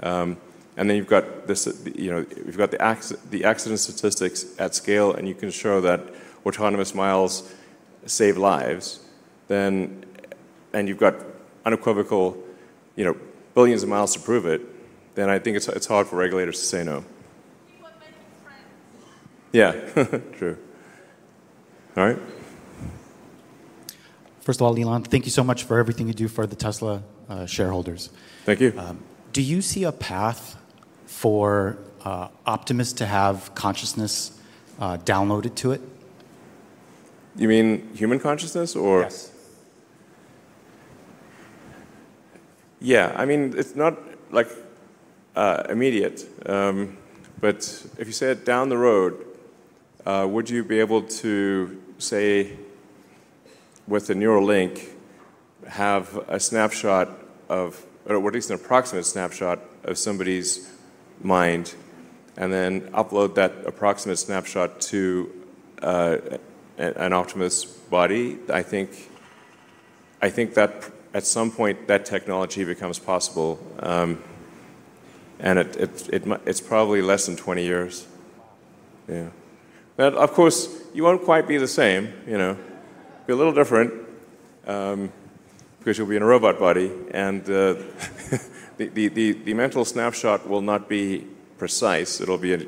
Then you've got the accident statistics at scale, and you can show that autonomous miles save lives, and you've got unequivocal billions of miles to prove it, then I think it's hard for regulators to say no. Yeah, true. All right. First of all, Elon, thank you so much for everything you do for the Tesla shareholders. Thank you. Do you see a path for Optimus to have consciousness downloaded to it? You mean human consciousness or? Yes. Yeah, I mean, it's not like immediate. But if you said down the road, would you be able to say, with the Neuralink, have a snapshot of, or at least an approximate snapshot of somebody's mind, and then upload that approximate snapshot to an Optimus body? I think at some point that technology becomes possible. And it's probably less than 20 years. Yeah. Of course, you won't quite be the same. You'll be a little different, because you'll be in a robot body. And the mental snapshot will not be precise. It'll be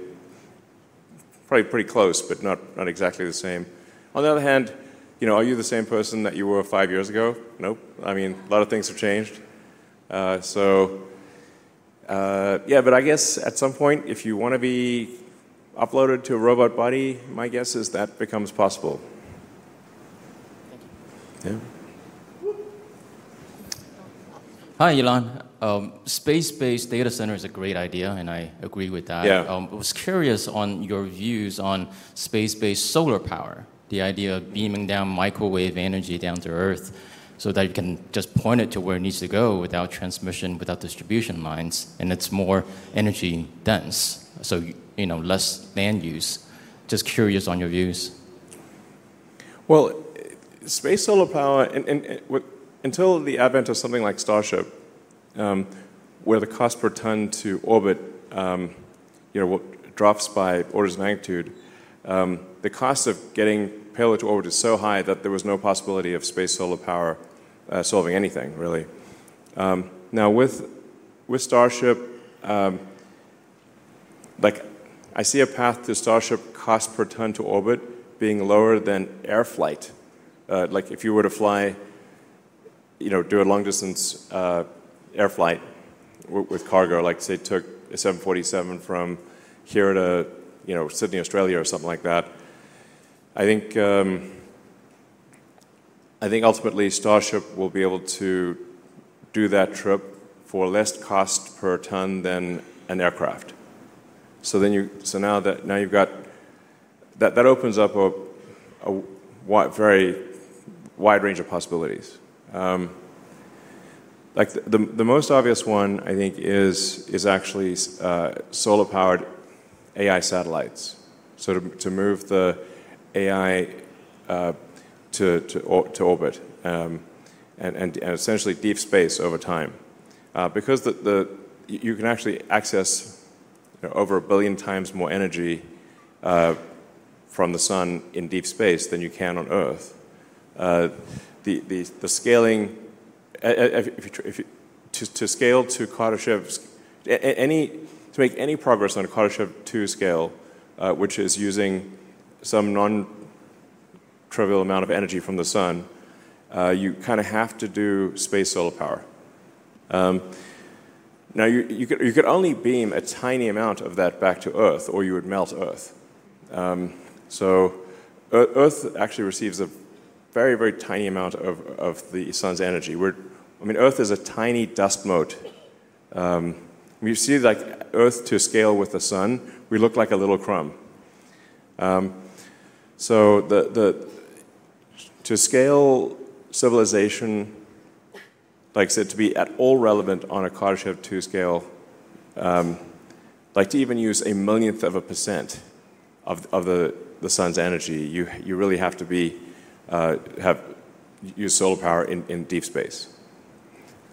probably pretty close, but not exactly the same. On the other hand, are you the same person that you were five years ago? Nope. I mean, a lot of things have changed. So, yeah, but I guess at some point, if you want to be uploaded to a robot body, my guess is that becomes possible. Thank you. Yeah. Hi, Elon. Space-based data center is a great idea, and I agree with that. I was curious on your views on space-based solar power, the idea of beaming down microwave energy down to Earth so that you can just point it to where it needs to go without transmission, without distribution lines, and it's more energy dense, so less land use. Just curious on your views. Space solar power, and until the advent of something like Starship, where the cost per ton to orbit drops by orders of magnitude, the cost of getting payload to orbit is so high that there was no possibility of space solar power solving anything, really. Now, with Starship, I see a path to Starship cost per ton to orbit being lower than air flight. Like if you were to fly, do a long distance air flight with cargo, like say took a 747 from here to Sydney, Australia or something like that. I think ultimately Starship will be able to do that trip for less cost per ton than an aircraft. That opens up a very wide range of possibilities. The most obvious one, I think, is actually solar powered AI satellites. To move the AI to orbit, and essentially deep space over time. Because you can actually access over a billion times more energy from the sun in deep space than you can on Earth. The scaling, to scale to Kardashev, to make any progress on a Kardashev 2 scale, which is using some nontrivial amount of energy from the sun, you kind of have to do space solar power. Now, you could only beam a tiny amount of that back to Earth, or you would melt Earth. Earth actually receives a very, very tiny amount of the sun's energy. I mean, Earth is a tiny dust moat. When you see Earth to scale with the sun, we look like a little crumb. To scale civilization, like to be at all relevant on a Kardashev 2 scale, like to even use a millionth of a percent of the sun's energy, you really have to use solar power in deep space.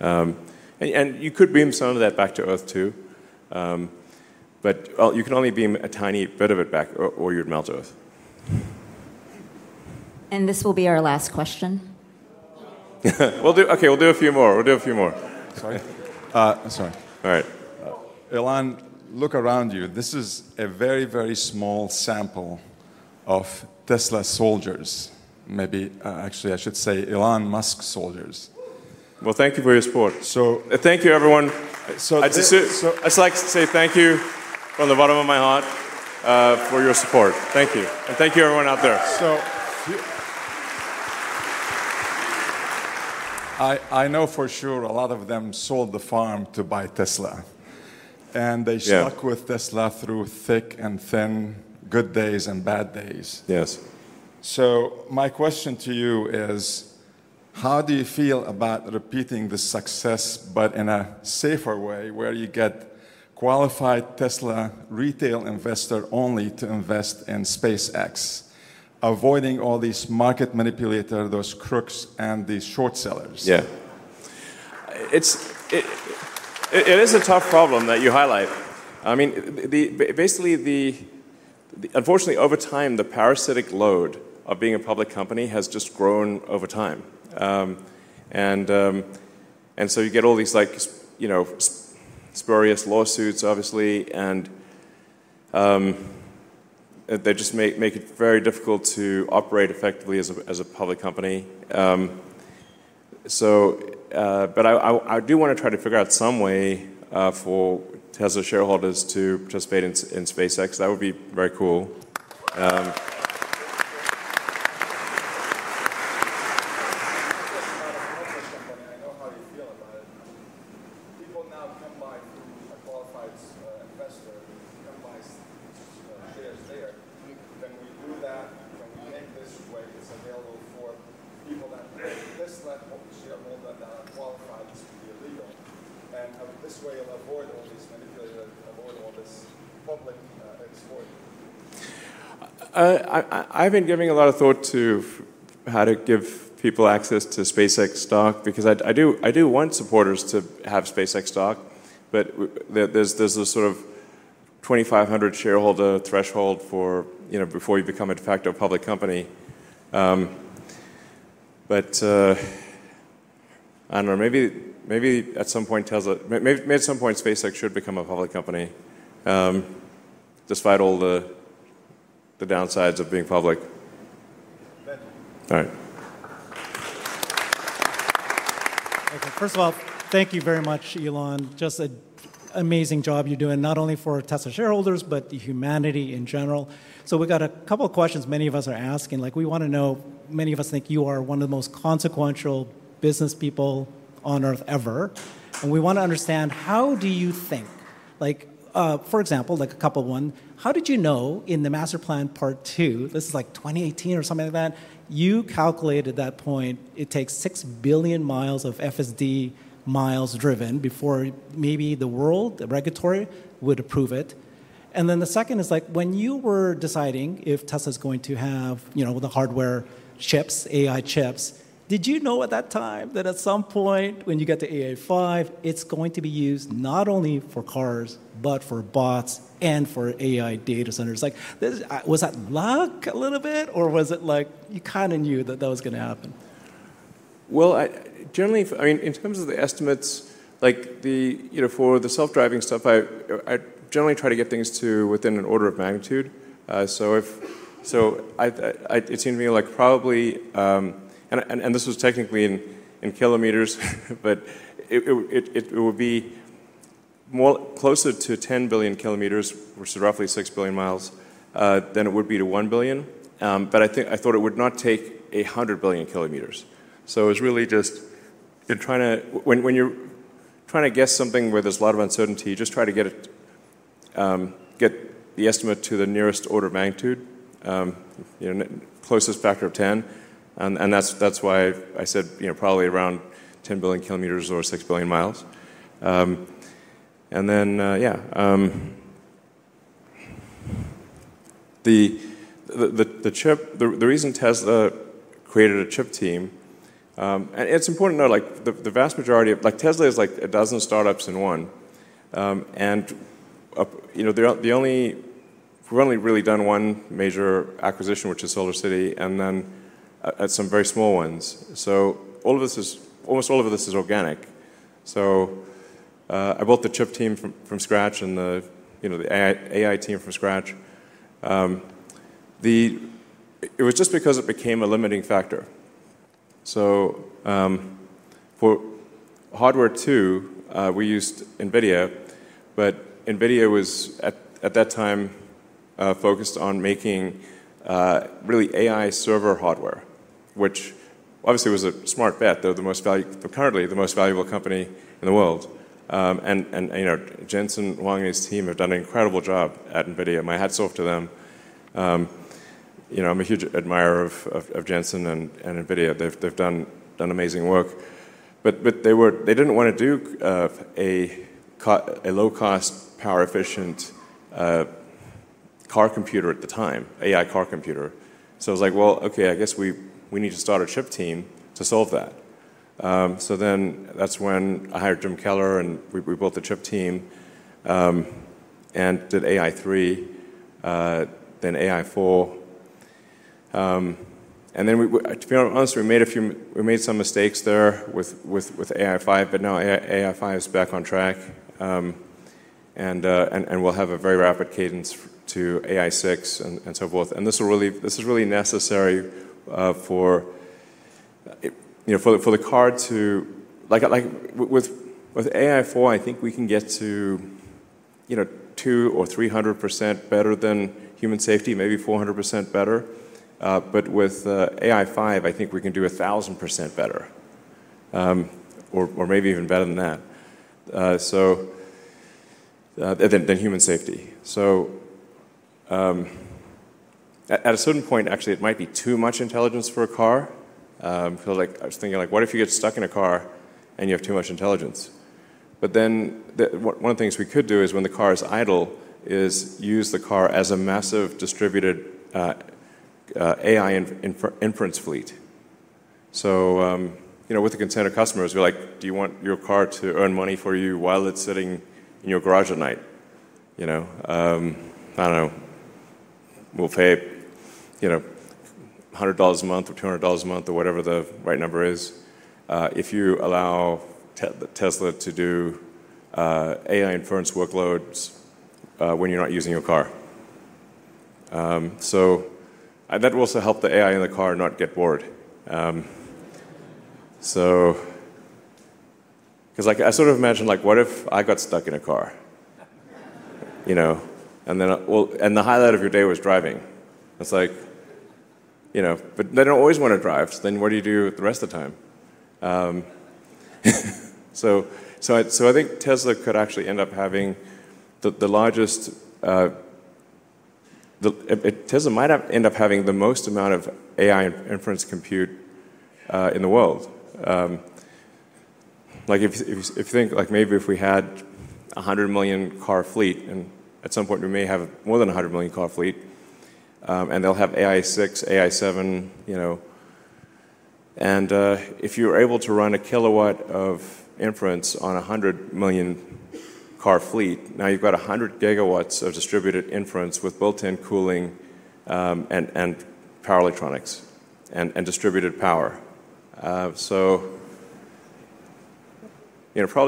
You could beam some of that back to Earth too. You can only beam a tiny bit of it back, or you'd melt Earth. This will be our last question. Okay, we'll do a few more. We'll do a few more. Sorry. All right. Elon, look around you. This is a very, very small sample of Tesla soldiers. Maybe actually I should say Elon Musk soldiers. Thank you for your support. Thank you, everyone. I'd just like to say thank you from the bottom of my heart for your support. Thank you. Thank you, everyone out there. I know for sure a lot of them sold the farm to buy Tesla. And they stuck with Tesla through thick and thin, good days and bad days. Yes. My question to you is, how do you feel about repeating the success, but in a safer way where you get qualified Tesla retail investor only to invest in SpaceX, avoiding all these market manipulators, those crooks, and the short sellers? Yeah. It is a tough problem that you highlight. I mean, basically. Unfortunately, over time, the parasitic load of being a public company has just grown over time. You get all these spurious lawsuits, obviously, and they just make it very difficult to operate effectively as a public company. I do want to try to figure out some way for Tesla shareholders to participate in SpaceX. That would be very cool. I know how you feel about it. People now come by through a qualified investor. Then we do that, then we make this way it's available for people that this level of shareholder that are qualified to be legal. This way you'll avoid all these manipulators. I've been giving a lot of thought to how to give people access to SpaceX stock. Because I do want supporters to have SpaceX stock, but there's this sort of 2,500 shareholder threshold before you become a de facto public company. I don't know, maybe at some point, maybe at some point SpaceX should become a public company, despite all the downsides of being public. All right. First of all, thank you very much, Elon. Just an amazing job you're doing, not only for Tesla shareholders, but humanity in general. We've got a couple of questions many of us are asking. Like we want to know, many of us think you are one of the most consequential business people on Earth ever. We want to understand how do you think, like for example, like a couple one, how did you know in the Master Plan, Part Deux, this is like 2018 or something like that, you calculated that point it takes 6 billion mi of FSD miles driven before maybe the world, the regulatory, would approve it. Then the second is like when you were deciding if Tesla is going to have the hardware chips, AI chips, did you know at that time that at some point when you get to AI5, it's going to be used not only for cars, but for bots and for AI data centers? Like was that luck a little bit? Or was it like you kind of knew that that was going to happen? Generally, I mean, in terms of the estimates, like for the self-driving stuff, I generally try to get things to within an order of magnitude. It seemed to me like probably, and this was technically in kilometers, but it would be closer to 10 billion km, which is roughly 6 billion mi, than it would be to 1 billion. I thought it would not take 100 billion km. It was really just, when you're trying to guess something where there's a lot of uncertainty, you just try to get the estimate to the nearest order of magnitude, closest factor of 10. That's why I said probably around 10 billion km or 6 billion mi. The reason Tesla created a chip team, and it's important to know, like the vast majority of Tesla is like a dozen start-ups in one. We've only really done one major acquisition, which is SolarCity, and then some very small ones. Almost all of this is organic. I built the chip team from scratch and the AI team from scratch. It was just because it became a limiting factor. For hardware too, we used NVIDIA, but NVIDIA was at that time focused on making really AI server hardware, which obviously was a smart bet, though currently the most valuable company in the world. Jensen Huang and his team have done an incredible job at NVIDIA. My hats off to them. I'm a huge admirer of Jensen and NVIDIA. They've done amazing work. They didn't want to do a low-cost, power-efficient car computer at the time, AI car computer. I was like, well, okay, I guess we need to start a chip team to solve that. Then that's when I hired Jim Keller and we built the chip team. And did AI3. Then AI4. To be honest, we made some mistakes there with AI5, but now AI5 is back on track. We'll have a very rapid cadence to AI6 and so forth. This is really necessary. For the car to, like with AI4, I think we can get to 200%-300% better than human safety, maybe 400% better. With AI5, I think we can do 1,000% better, or maybe even better than that, than human safety. At a certain point, actually, it might be too much intelligence for a car. Because I was thinking, what if you get stuck in a car and you have too much intelligence? But then one of the things we could do is when the car is idle is use the car as a massive distributed AI inference fleet. So with the consent of customers, we're like, do you want your car to earn money for you while it's sitting in your garage at night? I don't know. We'll pay $100 a month or $200 a month or whatever the right number is if you allow Tesla to do AI inference workloads when you're not using your car. That will also help the AI in the car not get bored. Because I sort of imagined like, what if I got stuck in a car? And the highlight of your day was driving. It's like. But then I don't always want to drive, so then what do you do with the rest of the time? I think Tesla could actually end up having the largest. Tesla might end up having the most amount of AI inference compute in the world. Like if you think like maybe if we had a 100 million car fleet, and at some point we may have more than a 100 million car fleet, and they'll have AI6, AI7. If you were able to run a kilowatt of inference on a 100 million car fleet, now you've got 100 GWs of distributed inference with built-in cooling and power electronics and distributed power. Probably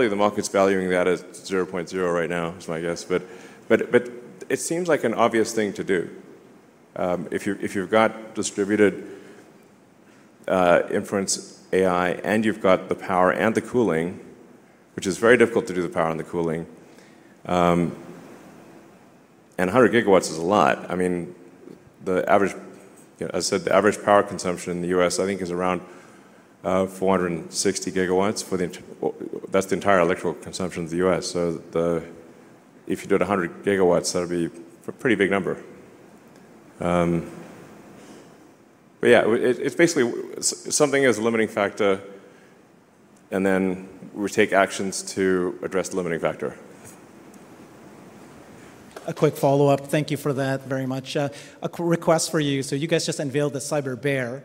the market's valuing that at $0.0 right now, is my guess. It seems like an obvious thing to do. If you've got distributed inference AI and you've got the power and the cooling, which is very difficult to do the power and the cooling. 100 GWs is a lot. I mean, as I said, the average power consumption in the U.S., I think, is around 460 GWs. That's the entire electrical consumption of the U.S. If you did 100 GWs, that would be a pretty big number. Yeah, it's basically something as a limiting factor. And then we take actions to address the limiting factor. A quick follow-up. Thank you for that very much. A request for you. You guys just unveiled the CyberBear.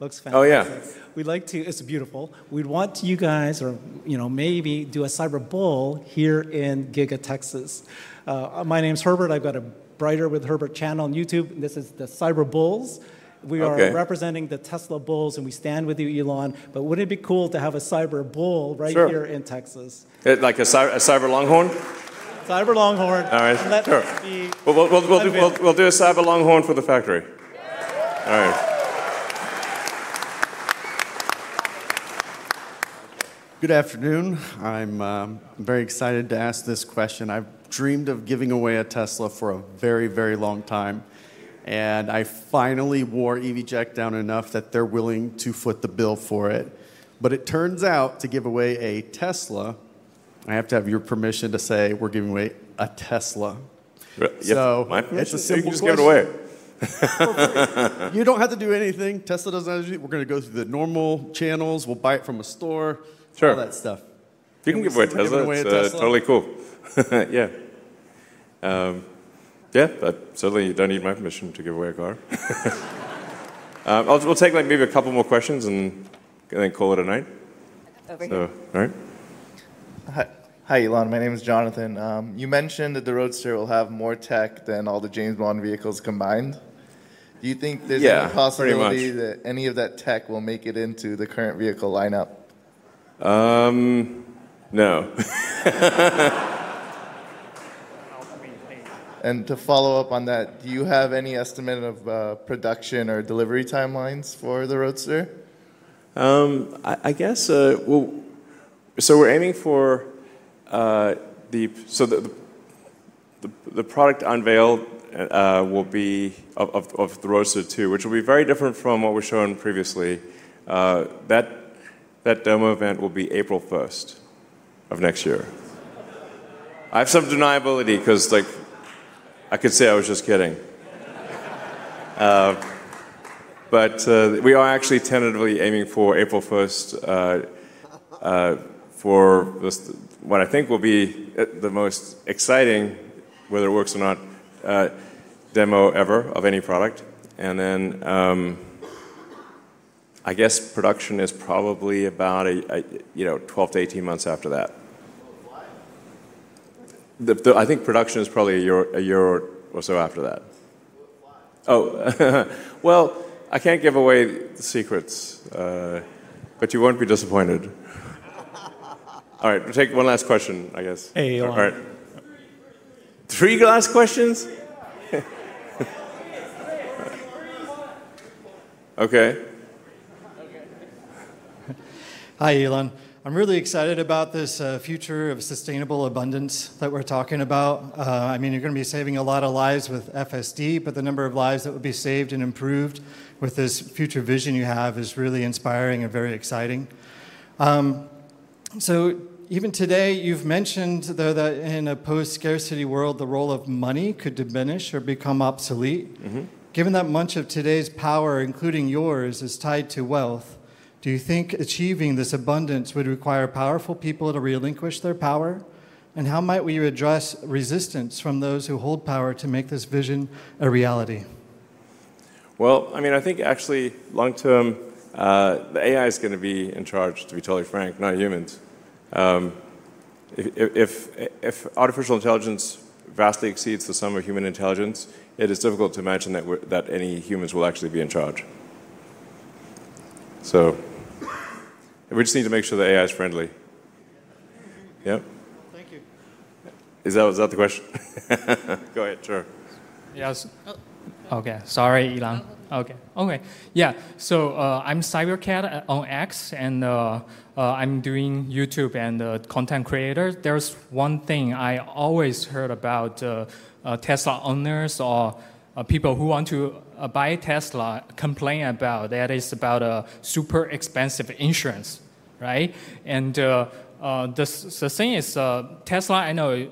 Looks fantastic. Oh yeah. We'd like to, it's beautiful. We'd want you guys or maybe do a CyberBull here in Giga Texas. My name's Herbert. I've got a Brighter with Herbert channel on YouTube. This is the Cyber Bull$. We are representing the Tesla Bulls, and we stand with you, Elon. Wouldn't it be cool to have a Cyber Bull right here in Texas? Like a Cyber Longhorn? Cyber Longhorn. All right. We'll do a Cyber Longhorn for the factory. All right. Good afternoon. I'm very excited to ask this question. I've dreamed of giving away a Tesla for a very, very long time. I finally wore EV JACK down enough that they're willing to foot the bill for it. It turns out to give away a Tesla, I have to have your permission to say we're giving away a Tesla. My permission to give it away. You don't have to do anything. Tesla doesn't have to do anything. We're going to go through the normal channels. We'll buy it from a store, all that stuff. You can give away a Tesla. That's totally cool. Yeah. Yeah, but certainly you don't need my permission to give away a car. We'll take maybe a couple more questions and then call it a night. All right. Hi, Elon. My name is Jonathan. You mentioned that the Roadster will have more tech than all the James Bond vehicles combined. Do you think there's any possibility that any of that tech will make it into the current vehicle lineup? No. Do you have any estimate of production or delivery timelines for the Roadster? I guess, so we're aiming for the product unveil of the Roadster 2, which will be very different from what we've shown previously. That demo event will be April 1st of next year. I have some deniability because I could say I was just kidding. But we are actually tentatively aiming for April 1st. For what I think will be the most exciting, whether it works or not, demo ever of any product. I guess production is probably about 12 to 18 months after that. I think production is probably a year or so after that. Oh, I can't give away the secrets. But you won't be disappointed. All right, we'll take one last question, I guess. Hey, Elon. Three last questions? Okay. Hi, Elon. I'm really excited about this future of sustainable abundance that we're talking about. I mean, you're going to be saving a lot of lives with FSD, but the number of lives that would be saved and improved with this future vision you have is really inspiring and very exciting. Even today, you've mentioned, though, that in a post-scarcity world, the role of money could diminish or become obsolete. Given that much of today's power, including yours, is tied to wealth, do you think achieving this abundance would require powerful people to relinquish their power? How might we address resistance from those who hold power to make this vision a reality? I mean, I think actually long term, the AI is going to be in charge, to be totally frank, not humans. If artificial intelligence vastly exceeds the sum of human intelligence, it is difficult to imagine that any humans will actually be in charge. We just need to make sure the AI is friendly. Yeah. Thank you. Is that the question? Go ahead, sure. Yes. Okay, sorry, Elon. Okay, okay. Yeah, so I'm [Cybercat] on X, and I'm doing YouTube and content creator. There's one thing I always heard about. Tesla owners or people who want to buy Tesla complain about that it's about a super expensive insurance, right? The thing is, Tesla, I know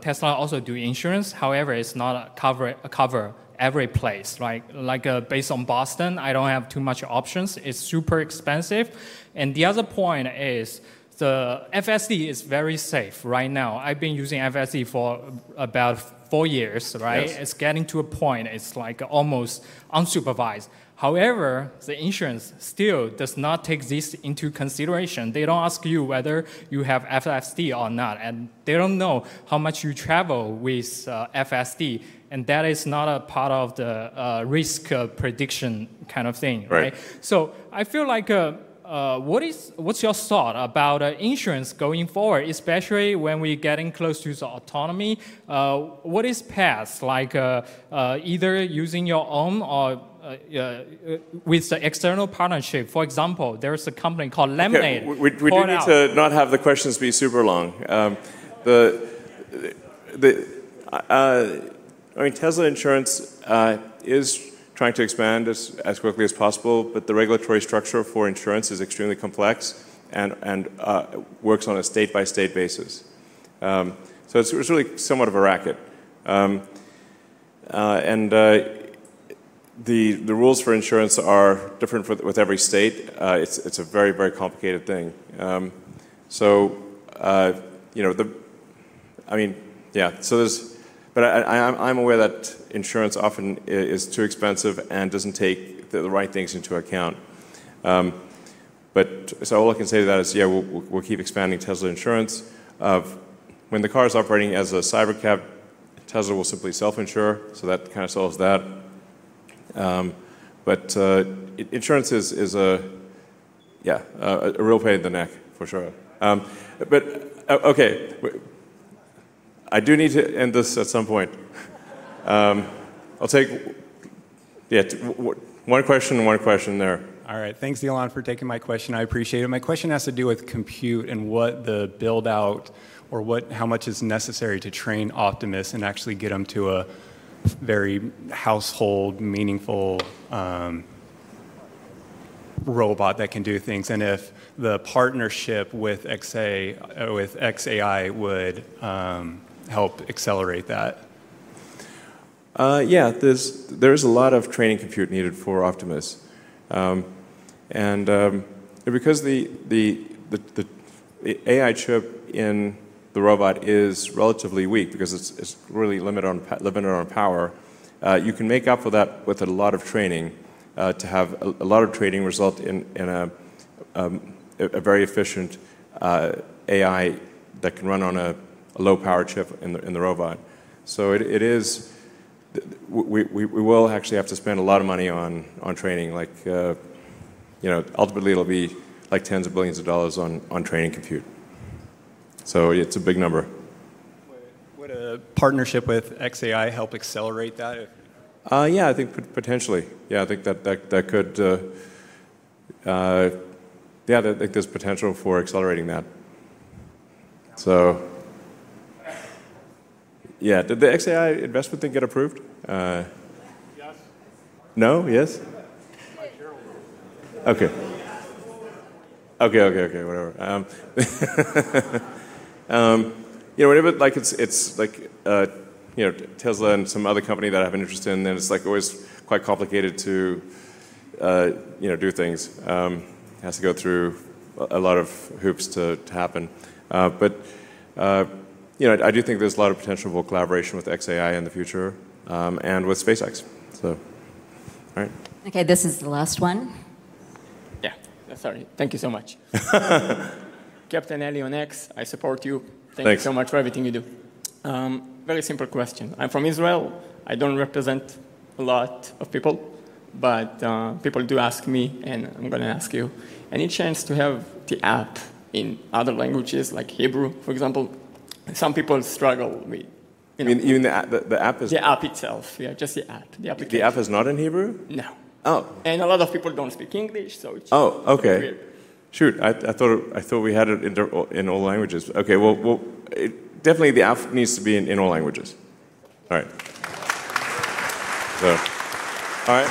Tesla also do insurance. However, it's not covered every place. Like based on Boston, I don't have too much options. It's super expensive. The other point is the FSD is very safe right now. I've been using FSD for about four years, right? It's getting to a point it's like almost unsupervised. However, the insurance still does not take this into consideration. They don't ask you whether you have FSD or not. They don't know how much you travel with FSD. That is not a part of the risk prediction kind of thing, right? I feel like. What's your thought about insurance going forward, especially when we're getting close to autonomy? What is path, like either using your own or with the external partnership? For example, there's a company called Lemonade. We do need to not have the questions be super long. I mean, Tesla insurance is trying to expand as quickly as possible, but the regulatory structure for insurance is extremely complex and works on a state-by-state basis. It is really somewhat of a racket. The rules for insurance are different with every state. It is a very, very complicated thing. I mean, yeah, but I am aware that insurance often is too expensive and does not take the right things into account. All I can say to that is, yeah, we will keep expanding Tesla insurance. When the car is operating as a Cybercab, Tesla will simply self-insure, so that kind of solves that. Insurance is, yeah, a real pain in the neck, for sure. Okay. I do need to end this at some point. I will take one question and one question there. All right, thanks, Elon, for taking my question. I appreciate it. My question has to do with compute and what the build-out or how much is necessary to train Optimus and actually get them to a very household, meaningful robot that can do things. And if the partnership with xAI would help accelerate that. Yeah, there's a lot of training compute needed for Optimus. Because the AI chip in the robot is relatively weak because it's really limited on power, you can make up for that with a lot of training, to have a lot of training result in a very efficient AI that can run on a low-power chip in the robot. We will actually have to spend a lot of money on training. Ultimately, it'll be like tens of billions of dollars on training compute. It's a big number. Would a partnership with xAI help accelerate that? Yeah, I think potentially. Yeah, I think that could. Yeah, I think there's potential for accelerating that. Did the xAI investment thing get approved? No? Yes? Okay. Okay, okay, okay, whatever. Like Tesla and some other companies that I have an interest in, then it's like always quite complicated to do things. It has to go through a lot of hoops to happen. I do think there's a lot of potential for collaboration with xAI in the future and with SpaceX. All right. Okay, this is the last one. Yeah, sorry. Thank you so much. Captain Eli on X, I support you. Thank you so much for everything you do. Very simple question. I'm from Israel. I don't represent a lot of people, but people do ask me, and I'm going to ask you. Any chance to have the app in other languages, like Hebrew, for example? Some people struggle with. The app? The app itself. Yeah, just the app. The app is not in Hebrew? No. A lot of people do not speak English, so. Oh, okay. Shoot, I thought we had it in all languages. Okay, definitely the app needs to be in all languages. All right. All right.